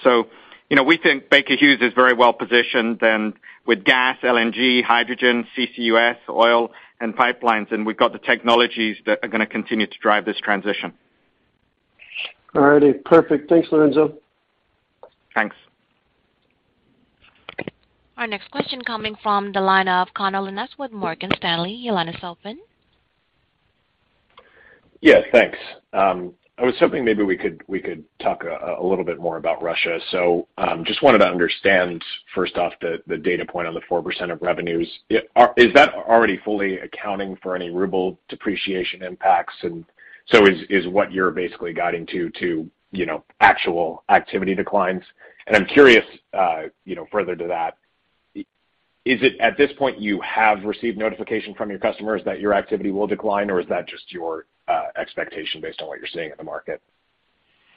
You know, we think Baker Hughes is very well positioned and with gas, LNG, hydrogen, CCUS, oil, and pipelines, and we've got the technologies that are gonna continue to drive this transition. All righty. Perfect. Thanks, Lorenzo. Thanks. Our next question coming from the line of Connor Lynagh with Morgan Stanley. Your line is open. Thanks. I was hoping maybe we could talk a little bit more about Russia. Just wanted to understand first off the data point on the 4% of revenues. Is that already fully accounting for any ruble depreciation impacts? Is what you're basically guiding to, you know, actual activity declines. I'm curious, you know, further to that, is it at this point you have received notification from your customers that your activity will decline, or is that just your expectation based on what you're seeing in the market?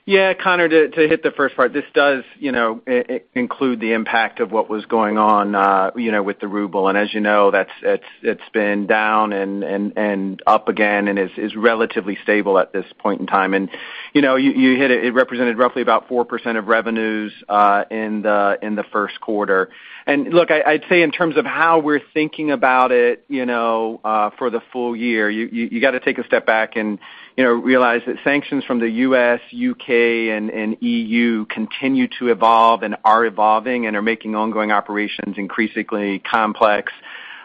Yeah, Connor, to hit the first part, this does, you know, include the impact of what was going on, you know, with the ruble. As you know, that's it. It's been down and up again and is relatively stable at this point in time. You know, you hit it. It represented roughly about 4% of revenues in the first quarter. Look, I'd say in terms of how we're thinking about it, you know, for the full year, you gotta take a step back and you know, realize that sanctions from the U.S., U.K., and E.U. continue to evolve and are evolving and are making ongoing operations increasingly complex.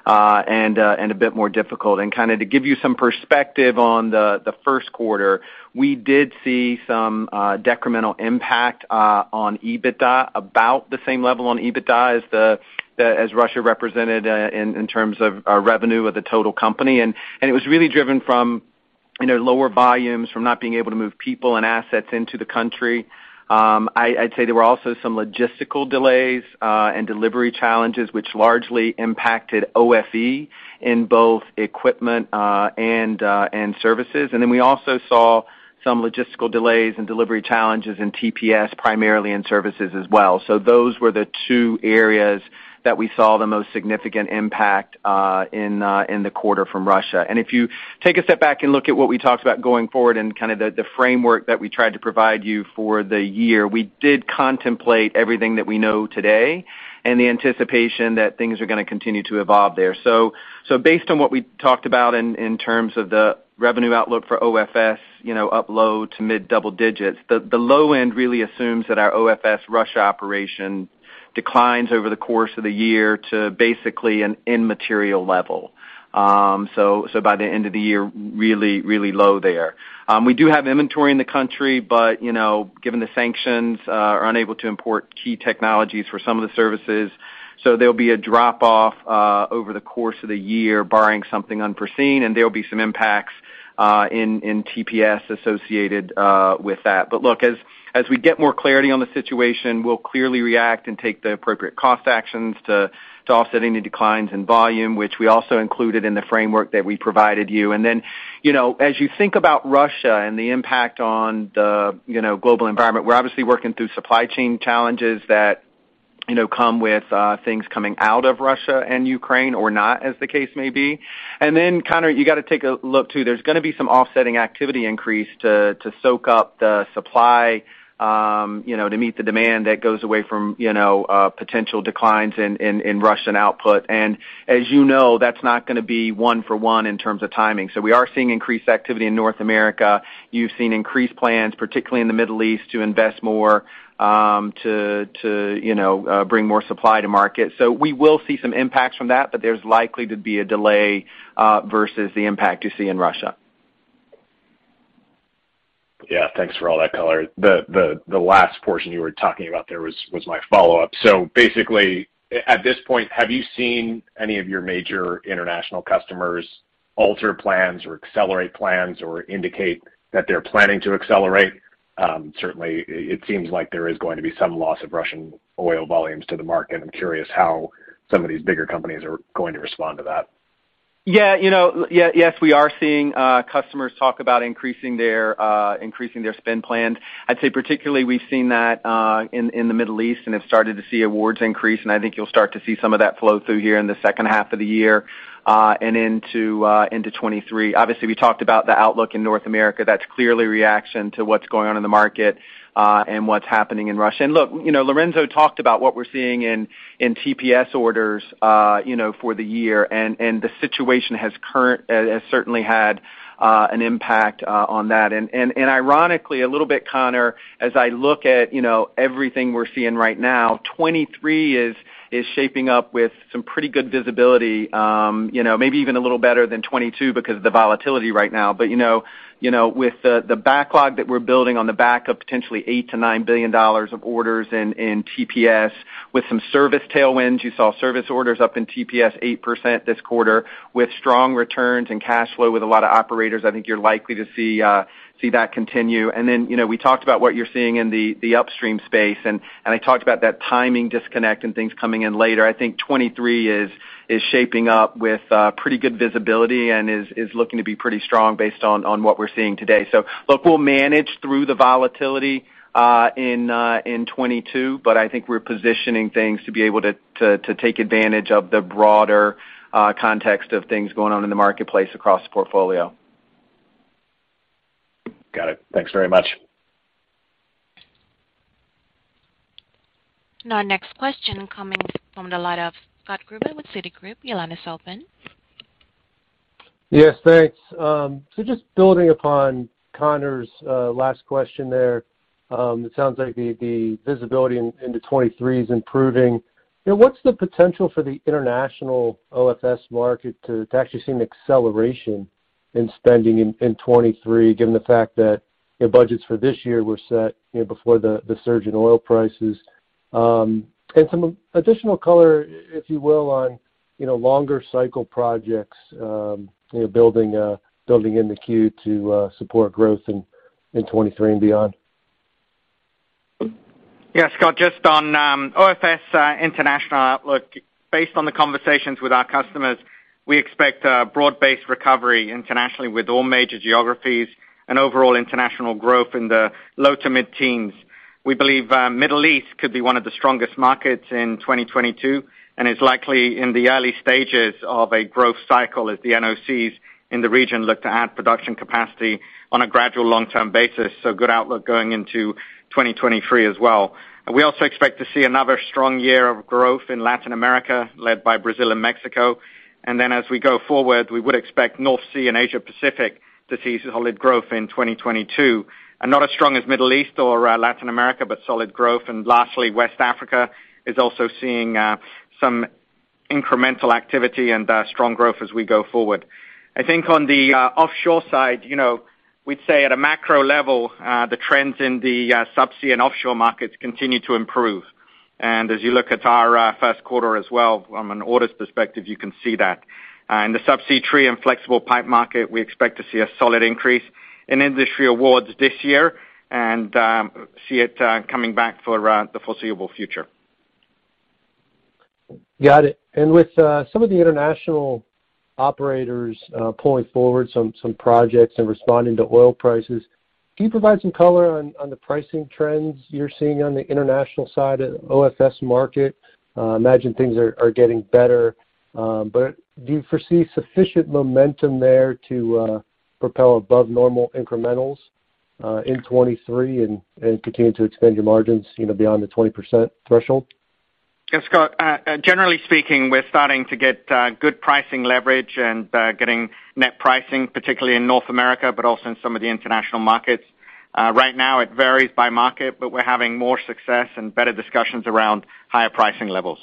A bit more difficult. Kinda to give you some perspective on the first quarter, we did see some decremental impact on EBITDA, about the same level on EBITDA as that Russia represented in terms of our revenue of the total company. It was really driven from you know lower volumes from not being able to move people and assets into the country. I'd say there were also some logistical delays and delivery challenges which largely impacted OFE in both equipment and services. We also saw some logistical delays and delivery challenges in TPS, primarily in services as well. Those were the two areas that we saw the most significant impact in the quarter from Russia. If you take a step back and look at what we talked about going forward and kinda the framework that we tried to provide you for the year, we did contemplate everything that we know today and the anticipation that things are gonna continue to evolve there. Based on what we talked about in terms of the revenue outlook for OFS, you know, low to mid double digits, the low end really assumes that our OFS Russia operation declines over the course of the year to basically an immaterial level. By the end of the year, really low there. We do have inventory in the country but, you know, given the sanctions, are unable to import key technologies for some of the services. There'll be a drop-off over the course of the year barring something unforeseen, and there'll be some impacts in TPS associated with that. Look, as we get more clarity on the situation, we'll clearly react and take the appropriate cost actions to offsetting any declines in volume, which we also included in the framework that we provided you. You know, as you think about Russia and the impact on the global environment, we're obviously working through supply chain challenges that come with things coming out of Russia and Ukraine or not, as the case may be. Kinda you gotta take a look too. There's gonna be some offsetting activity increase to soak up the supply, you know, to meet the demand that goes away from, you know, potential declines in Russian output. As you know, that's not gonna be one for one in terms of timing. We are seeing increased activity in North America. You've seen increased plans, particularly in the Middle East, to invest more, to bring more supply to market. We will see some impacts from that, but there's likely to be a delay, versus the impact you see in Russia. Yeah, thanks for all that color. The last portion you were talking about there was my follow-up. Basically, at this point, have you seen any of your major international customers alter plans or accelerate plans or indicate that they're planning to accelerate? Certainly it seems like there is going to be some loss of Russian oil volumes to the market. I'm curious how some of these bigger companies are going to respond to that. Yeah, you know, yes, we are seeing customers talk about increasing their spend plans. I'd say particularly we've seen that in the Middle East, and have started to see awards increase, and I think you'll start to see some of that flow through here in the second half of the year and into 2023. Obviously, we talked about the outlook in North America. That's clearly reaction to what's going on in the market and what's happening in Russia. Look, you know, Lorenzo talked about what we're seeing in TPS orders, you know, for the year. The situation has certainly had an impact on that. Ironically, a little bit, Connor, as I look at you know everything we're seeing right now, 2023 is shaping up with some pretty good visibility, you know, maybe even a little better than 2022 because of the volatility right now. You know, with the backlog that we're building on the back of potentially $8 billion-$9 billion of orders in TPS with some service tailwinds, you saw service orders up in TPS 8% this quarter with strong returns and cash flow with a lot of operators. I think you're likely to see that continue. You know, we talked about what you're seeing in the upstream space, and I talked about that timing disconnect and things coming in later. I think 2023 is shaping up with pretty good visibility and is looking to be pretty strong based on what we're seeing today. Look, we'll manage through the volatility in 2022, but I think we're positioning things to be able to take advantage of the broader context of things going on in the marketplace across the portfolio. Got it. Thanks very much. Our next question coming from the line of Scott Gruber with Citigroup. Your line is open. Yes, thanks. Just building upon Connor's last question there. It sounds like the visibility into 2023 is improving. You know, what's the potential for the international OFS market to actually see an acceleration in spending in 2023, given the fact that, you know, budgets for this year were set, you know, before the surge in oil prices? Some additional color, if you will, on, you know, longer cycle projects, you know, building in the queue to support growth in 2023 and beyond. Yeah, Scott, just on OFS, international outlook. Based on the conversations with our customers, we expect a broad-based recovery internationally with all major geographies and overall international growth in the low- to mid-teens%. We believe, Middle East could be one of the strongest markets in 2022 and is likely in the early stages of a growth cycle as the NOCs in the region look to add production capacity on a gradual long-term basis. Good outlook going into 2023 as well. We also expect to see another strong year of growth in Latin America, led by Brazil and Mexico. As we go forward, we would expect North Sea and Asia Pacific to see solid growth in 2022, and not as strong as Middle East or Latin America, but solid growth. Lastly, West Africa is also seeing some incremental activity and strong growth as we go forward. I think on the offshore side, you know, we'd say at a macro level, the trends in the subsea and offshore markets continue to improve. As you look at our first quarter as well from an orders perspective, you can see that. In the subsea tree and flexible pipe market, we expect to see a solid increase in industry awards this year and see it coming back for around the foreseeable future. Got it. With some of the international operators pulling forward some projects and responding to oil prices, can you provide some color on the pricing trends you're seeing on the international side of the OFS market? I imagine things are getting better, but do you foresee sufficient momentum there to propel above normal incrementals in 2023 and continue to extend your margins, you know, beyond the 20% threshold? Yeah, Scott, generally speaking, we're starting to get good pricing leverage and getting net pricing, particularly in North America, but also in some of the international markets. Right now it varies by market, but we're having more success and better discussions around higher pricing levels.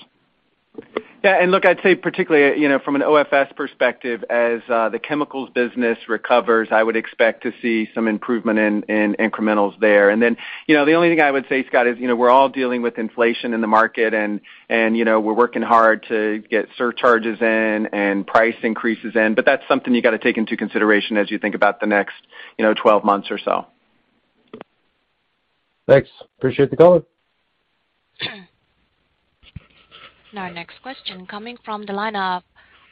Yeah. Look, I'd say particularly, you know, from an OFS perspective, as the chemicals business recovers, I would expect to see some improvement in incrementals there. Then, you know, the only thing I would say, Scott, is, you know, we're all dealing with inflation in the market and, you know, we're working hard to get surcharges in and price increases in, but that's something you gotta take into consideration as you think about the next, you know, 12 months or so. Thanks. Appreciate the color. Our next question coming from the line of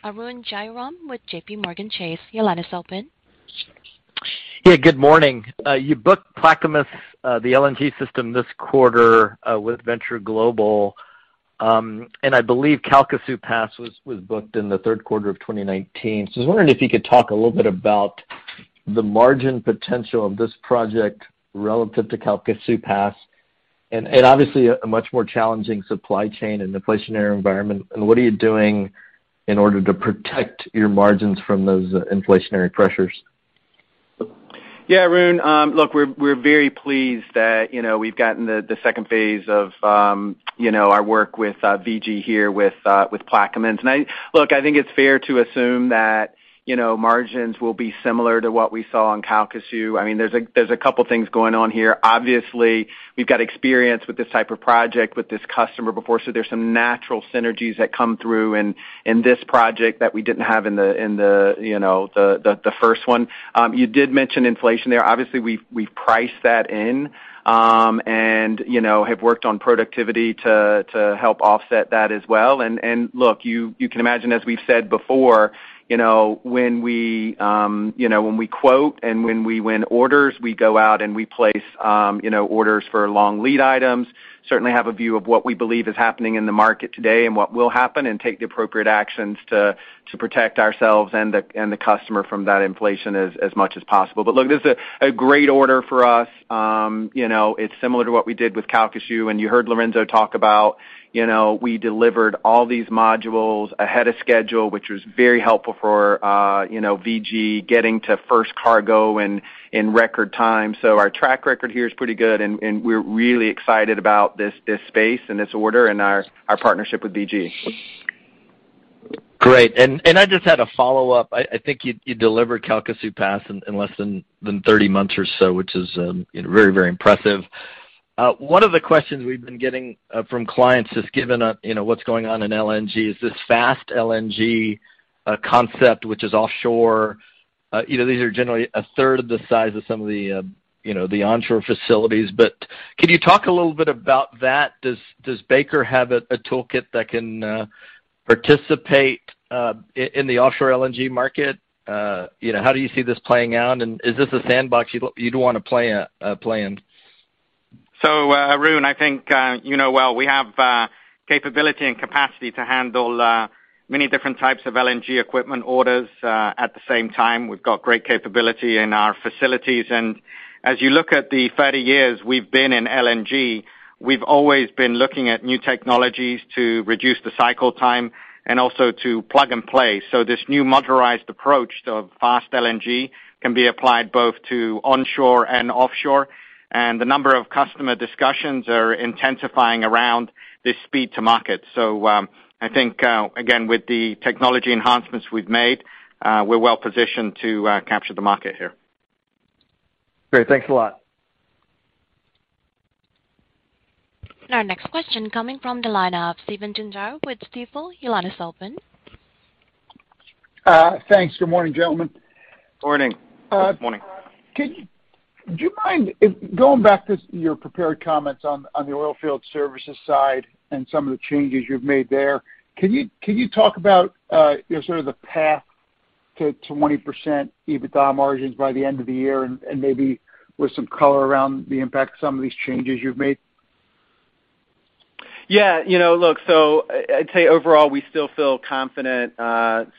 Arun Jayaram with JPMorgan Chase. Your line is open. Yeah, good morning. You booked Plaquemines, the LNG system this quarter, with Venture Global. I believe Calcasieu Pass was booked in the third quarter of 2019. I was wondering if you could talk a little bit about the margin potential of this project relative to Calcasieu Pass. Obviously a much more challenging supply chain and inflationary environment, and what are you doing in order to protect your margins from those inflationary pressures? Yeah, Arun, look, we're very pleased that, you know, we've gotten the second phase of, you know, our work with VG here with Plaquemines. Look, I think it's fair to assume that, you know, margins will be similar to what we saw on Calcasieu. I mean, there's a couple things going on here. Obviously, we've got experience with this type of project with this customer before, so there's some natural synergies that come through in this project that we didn't have in the first one. You did mention inflation there. Obviously, we've priced that in, and, you know, have worked on productivity to help offset that as well. Look, you can imagine, as we've said before, you know, when we quote and when we win orders, we go out and we place, you know, orders for long lead items. We certainly have a view of what we believe is happening in the market today and what will happen and take the appropriate actions to protect ourselves and the customer from that inflation as much as possible. Look, this is a great order for us. You know, it's similar to what we did with Calcasieu. You heard Lorenzo talk about, you know, we delivered all these modules ahead of schedule, which was very helpful for VG getting to first cargo in record time. Our track record here is pretty good, and we're really excited about this space and this order and our partnership with VG. Great. I just had a follow-up. I think you delivered Calcasieu Pass in less than 30 months or so, which is, you know, very impressive. One of the questions we've been getting from clients is given, you know, what's going on in LNG is this Fast LNG concept, which is offshore. You know, these are generally a third of the size of some of the, you know, the onshore facilities. But can you talk a little bit about that? Does Baker have a toolkit that can participate in the offshore LNG market? You know, how do you see this playing out? And is this a sandbox you'd wanna play in? Arun, I think, you know well we have capability and capacity to handle many different types of LNG equipment orders. At the same time, we've got great capability in our facilities. As you look at the 30 years we've been in LNG, we've always been looking at new technologies to reduce the cycle time and also to plug and play. This new modularized approach to Fast LNG can be applied both to onshore and offshore, and the number of customer discussions are intensifying around this speed to market. I think, again, with the technology enhancements we've made, we're well positioned to capture the market here. Great. Thanks a lot. Our next question coming from the line of Stephen Gengaro with Stifel. Your line is open. Thanks. Good morning, gentlemen. Morning. Good morning. Do you mind going back to your prepared comments on the Oilfield Services side and some of the changes you've made there? Can you talk about, you know, sort of the path to 20% EBITDA margins by the end of the year and maybe with some color around the impact of some of these changes you've made? Yeah. You know, look, I'd say overall, we still feel confident,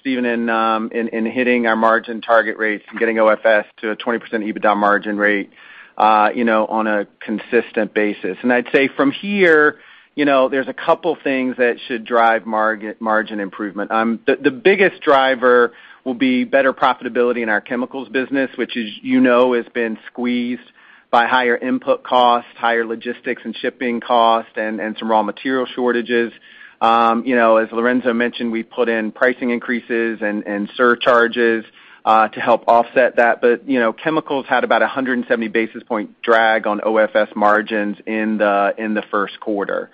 Stephen, in hitting our margin target rates and getting OFS to a 20% EBITDA margin rate, you know, on a consistent basis. I'd say from here, you know, there's a couple things that should drive margin improvement. The biggest driver will be better profitability in our chemicals business, which as you know has been squeezed by higher input costs, higher logistics and shipping costs and some raw material shortages. You know, as Lorenzo mentioned, we put in pricing increases and surcharges to help offset that. You know, chemicals had about a 170 basis point drag on OFS margins in the first quarter.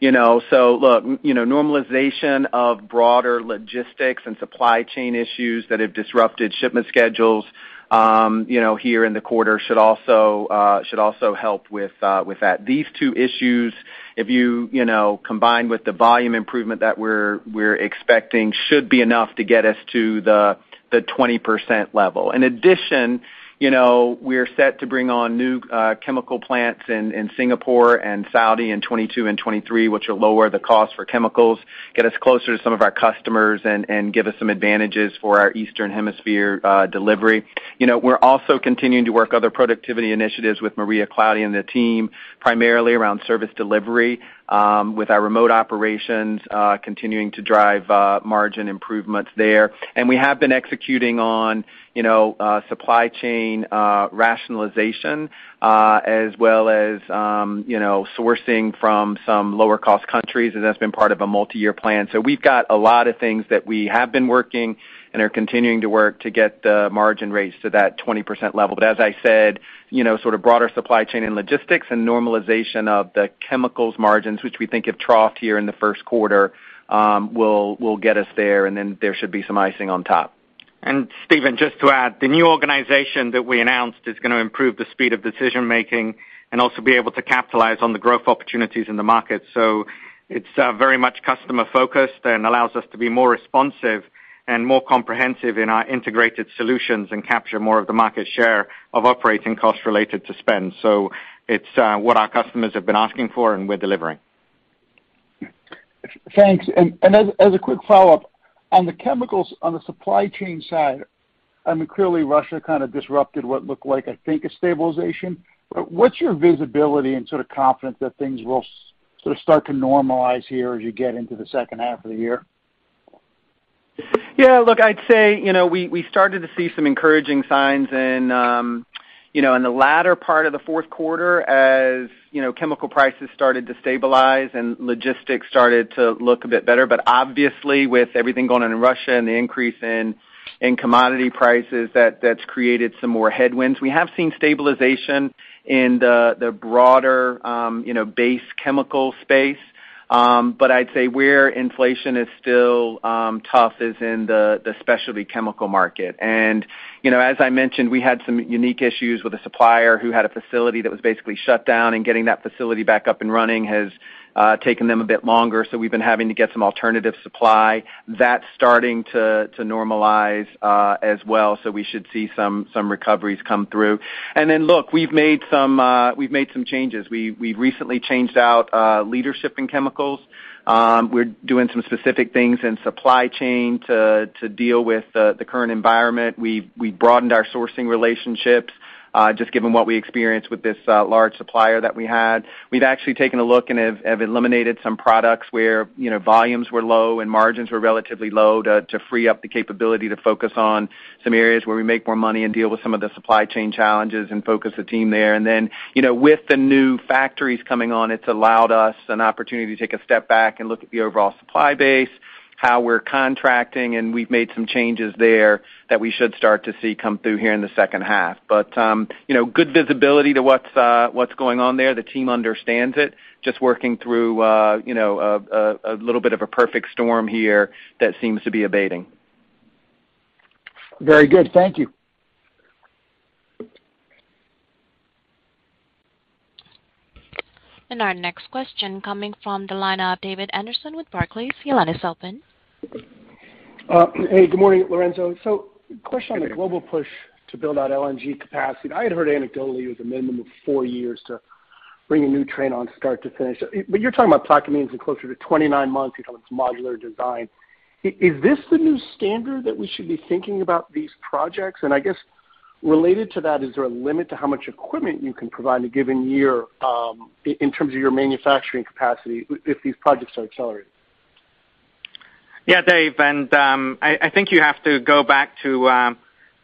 You know, look, you know, normalization of broader logistics and supply chain issues that have disrupted shipment schedules here in the quarter should also help with that. These two issues, if you combine with the volume improvement that we're expecting, should be enough to get us to the 20% level. In addition, you know, we're set to bring on new chemical plants in Singapore and Saudi in 2022 and 2023, which will lower the cost for chemicals, get us closer to some of our customers and give us some advantages for our Eastern Hemisphere delivery. You know, we're also continuing to work other productivity initiatives with Maria Claudia and the team, primarily around service delivery with our remote operations continuing to drive margin improvements there. We have been executing on, you know, supply chain rationalization, as well as, you know, sourcing from some lower cost countries, and that's been part of a multiyear plan. We've got a lot of things that we have been working and are continuing to work to get the margin rates to that 20% level. As I said, you know, sort of broader supply chain and logistics and normalization of the chemicals margins, which we think have troughed here in the first quarter, will get us there, and then there should be some icing on top. Stephen, just to add, the new organization that we announced is gonna improve the speed of decision-making and also be able to capitalize on the growth opportunities in the market. It's very much customer focused and allows us to be more responsive and more comprehensive in our integrated solutions and capture more of the market share of operating costs related to spend. It's what our customers have been asking for and we're delivering. Thanks. As a quick follow-up, on the chemicals on the supply chain side, I mean, clearly Russia kind of disrupted what looked like, I think, a stabilization. What's your visibility and sort of confidence that things will sort of start to normalize here as you get into the second half of the year? Yeah, look, I'd say, you know, we started to see some encouraging signs in you know in the latter part of the fourth quarter as you know chemical prices started to stabilize and logistics started to look a bit better. Obviously, with everything going on in Russia and the increase in commodity prices, that's created some more headwinds. We have seen stabilization in the broader you know base chemical space. I'd say where inflation is still tough is in the specialty chemical market. You know, as I mentioned, we had some unique issues with a supplier who had a facility that was basically shut down, and getting that facility back up and running has taken them a bit longer, so we've been having to get some alternative supply. That's starting to normalize as well, so we should see some recoveries come through. Look, we've made some changes. We recently changed out leadership in chemicals. We're doing some specific things in supply chain to deal with the current environment. We've broadened our sourcing relationships just given what we experienced with this large supplier that we had. We've actually taken a look and have eliminated some products where, you know, volumes were low and margins were relatively low to free up the capability to focus on some areas where we make more money and deal with some of the supply chain challenges and focus the team there. Then, you know, with the new factories coming on, it's allowed us an opportunity to take a step back and look at the overall supply base, how we're contracting, and we've made some changes there that we should start to see come through here in the second half. You know, good visibility to what's going on there. The team understands it. Just working through, you know, a little bit of a perfect storm here that seems to be abating. Very good. Thank you. Our next question coming from the line of David Anderson with Barclays. Your line is open. Hey, good morning, Lorenzo. Question on the global push to build out LNG capacity. I had heard anecdotally it was a minimum of four years to bring a new train on start to finish. You're talking about Plaquemines and closer to 29 months because of its modular design. Is this the new standard that we should be thinking about these projects? And I guess related to that, is there a limit to how much equipment you can provide in a given year, in terms of your manufacturing capacity if these projects are accelerated? Yeah, Dave, I think you have to go back to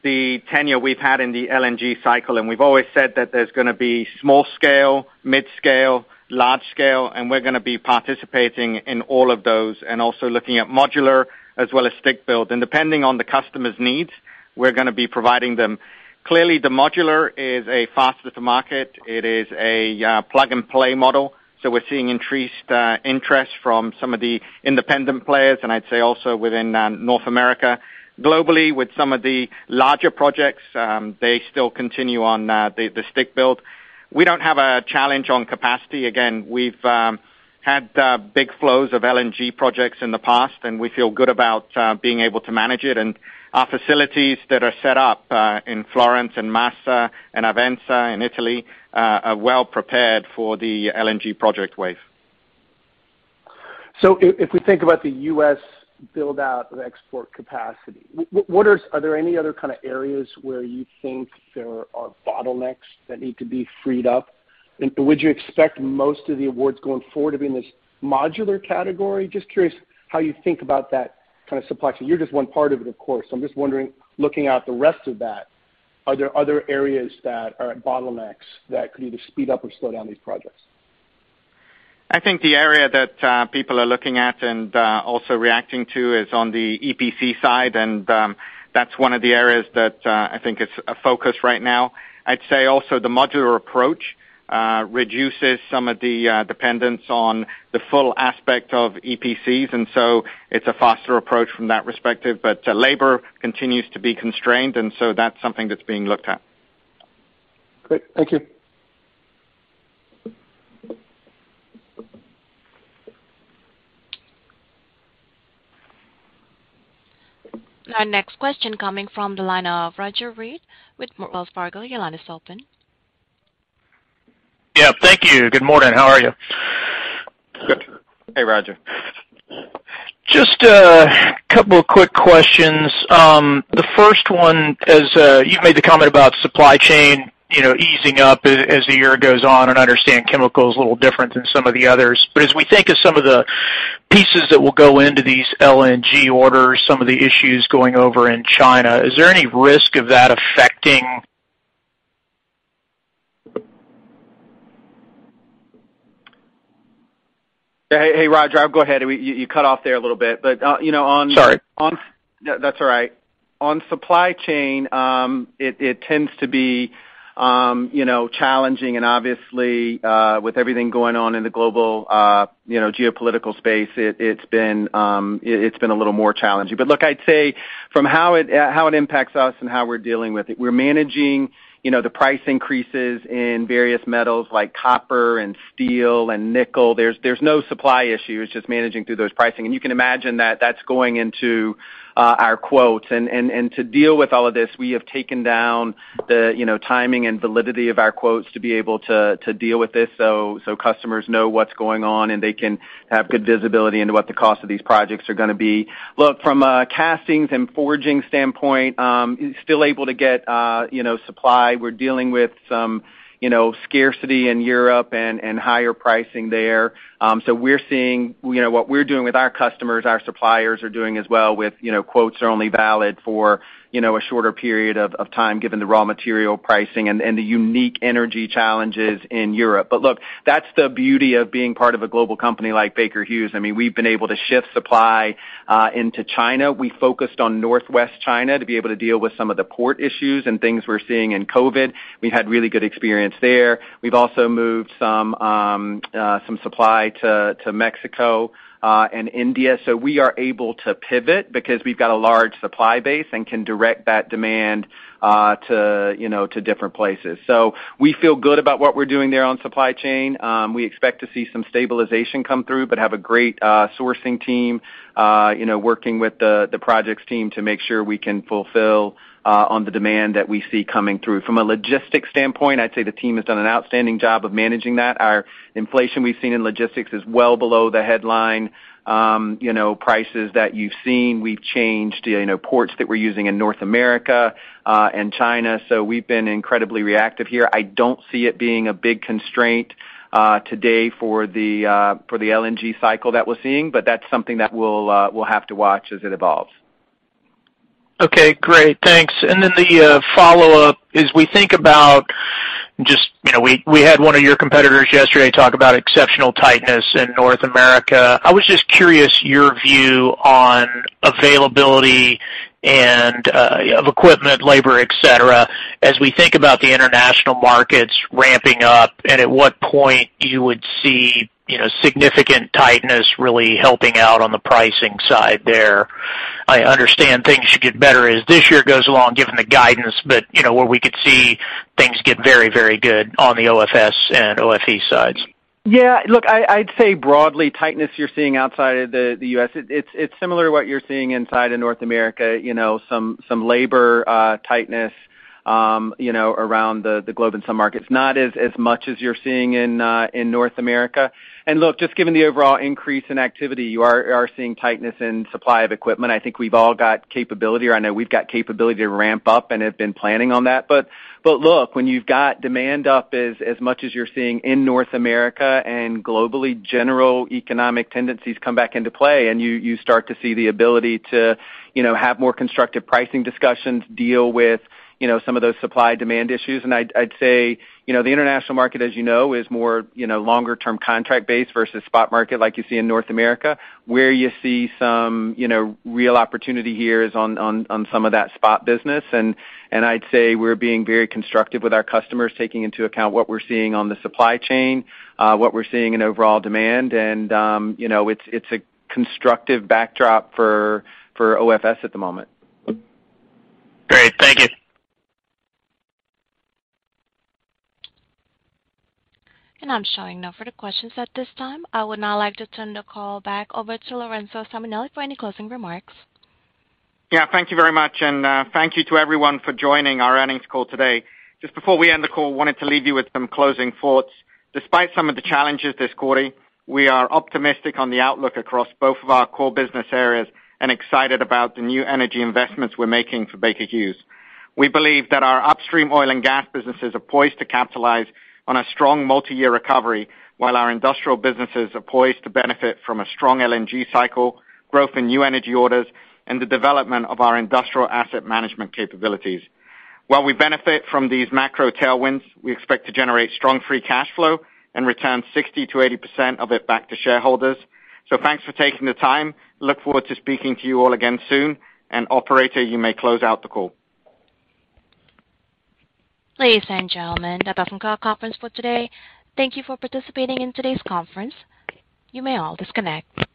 the tenure we've had in the LNG cycle, and we've always said that there's gonna be small scale, mid scale, large scale, and we're gonna be participating in all of those and also looking at modular as well as stick build. Depending on the customer's needs, we're gonna be providing them. Clearly, the modular is faster to market. It is a plug-and-play model, so we're seeing increased interest from some of the independent players, and I'd say also within North America. Globally, with some of the larger projects, they still continue on the stick build. We don't have a challenge on capacity. Again, we've had big flows of LNG projects in the past, and we feel good about being able to manage it. Our facilities that are set up in Florence and Massa and Avenza in Italy are well prepared for the LNG project wave. If we think about the U.S. build-out of export capacity, are there any other kind of areas where you think there are bottlenecks that need to be freed up? Would you expect most of the awards going forward to be in this modular category? Just curious how you think about that kind of supply chain. You're just one part of it, of course. I'm just wondering, looking at the rest of that, are there other areas that are at bottlenecks that could either speed up or slow down these projects? I think the area that people are looking at and also reacting to is on the EPC side. That's one of the areas that I think is a focus right now. I'd say also the modular approach reduces some of the dependence on the full aspect of EPCs, and so it's a faster approach from that perspective. Labor continues to be constrained, and so that's something that's being looked at. Great. Thank you. Our next question coming from the line of Roger Read with Wells Fargo. Your line is open. Yeah, thank you. Good morning. How are you? Good. Hey, Roger. Just a couple of quick questions. The first one is, you've made the comment about supply chain, you know, easing up as the year goes on, and I understand chemical is a little different than some of the others. As we think of some of the pieces that will go into these LNG orders, some of the issues going over in China, is there any risk of that affecting. Hey, Roger, I'll go ahead. You cut off there a little bit, but, you know, on. Sorry. That's all right. On supply chain, it tends to be, you know, challenging and obviously, with everything going on in the global, you know, geopolitical space, it's been a little more challenging. Look, I'd say from how it impacts us and how we're dealing with it, we're managing, you know, the price increases in various metals like copper and steel and nickel. There's no supply issue. It's just managing through those pricing. You can imagine that that's going into our quotes. To deal with all of this, we have taken down the, you know, timing and validity of our quotes to be able to deal with this, so customers know what's going on, and they can have good visibility into what the cost of these projects are gonna be. Look, from a castings and forging standpoint, still able to get, you know, supply. We're dealing with some, you know, scarcity in Europe and higher pricing there. We're seeing, you know, what we're doing with our customers, our suppliers are doing as well with, you know, quotes are only valid for, you know, a shorter period of time, given the raw material pricing and the unique energy challenges in Europe. Look, that's the beauty of being part of a global company like Baker Hughes. I mean, we've been able to shift supply into China. We focused on Northwest China to be able to deal with some of the port issues and things we're seeing in COVID. We had really good experience there. We've also moved some supply to Mexico and India. We are able to pivot because we've got a large supply base and can direct that demand to, you know, to different places. We feel good about what we're doing there on supply chain. We expect to see some stabilization come through, but have a great sourcing team, you know, working with the projects team to make sure we can fulfill on the demand that we see coming through. From a logistics standpoint, I'd say the team has done an outstanding job of managing that. Our inflation we've seen in logistics is well below the headline, you know, prices that you've seen. We've changed, you know, ports that we're using in North America and China. We've been incredibly reactive here. I don't see it being a big constraint today for the LNG cycle that we're seeing, but that's something that we'll have to watch as it evolves. Okay, great. Thanks. The follow-up, as we think about just, you know, we had one of your competitors yesterday talk about exceptional tightness in North America. I was just curious your view on availability and of equipment, labor, et cetera, as we think about the international markets ramping up, and at what point you would see, you know, significant tightness really helping out on the pricing side there. I understand things should get better as this year goes along, given the guidance, but, you know, where we could see things get very, very good on the OFS and OFE sides. Yeah. Look, I'd say broadly, tightness you're seeing outside of the U.S., it's similar to what you're seeing inside of North America. You know, some labor tightness, you know, around the globe in some markets, not as much as you're seeing in North America. Look, just given the overall increase in activity, you are seeing tightness in supply of equipment. I think we've all got capability, or I know we've got capability to ramp up and have been planning on that. But look, when you've got demand up as much as you're seeing in North America and globally, general economic tendencies come back into play and you start to see the ability to, you know, have more constructive pricing discussions, deal with, you know, some of those supply demand issues. I'd say, you know, the international market, as you know, is more, you know, longer term contract base versus spot market like you see in North America. Where you see some, you know, real opportunity here is on some of that spot business. I'd say we're being very constructive with our customers, taking into account what we're seeing on the supply chain, what we're seeing in overall demand. You know, it's a constructive backdrop for OFS at the moment. Great. Thank you. I'm showing no further questions at this time. I would now like to turn the call back over to Lorenzo Simonelli for any closing remarks. Yeah. Thank you very much, and thank you to everyone for joining our earnings call today. Just before we end the call, wanted to leave you with some closing thoughts. Despite some of the challenges this quarter, we are optimistic on the outlook across both of our core business areas and excited about the new energy investments we're making for Baker Hughes. We believe that our upstream oil and gas businesses are poised to capitalize on a strong multi-year recovery, while our industrial businesses are poised to benefit from a strong LNG cycle, growth in new energy orders, and the development of our Industrial Asset Management capabilities. While we benefit from these macro tailwinds, we expect to generate strong free cash flow and return 60%-80% of it back to shareholders. Thanks for taking the time. Look forward to speaking to you all again soon. Operator, you may close out the call. Ladies and gentlemen, that concludes our conference for today. Thank you for participating in today's conference. You may all disconnect.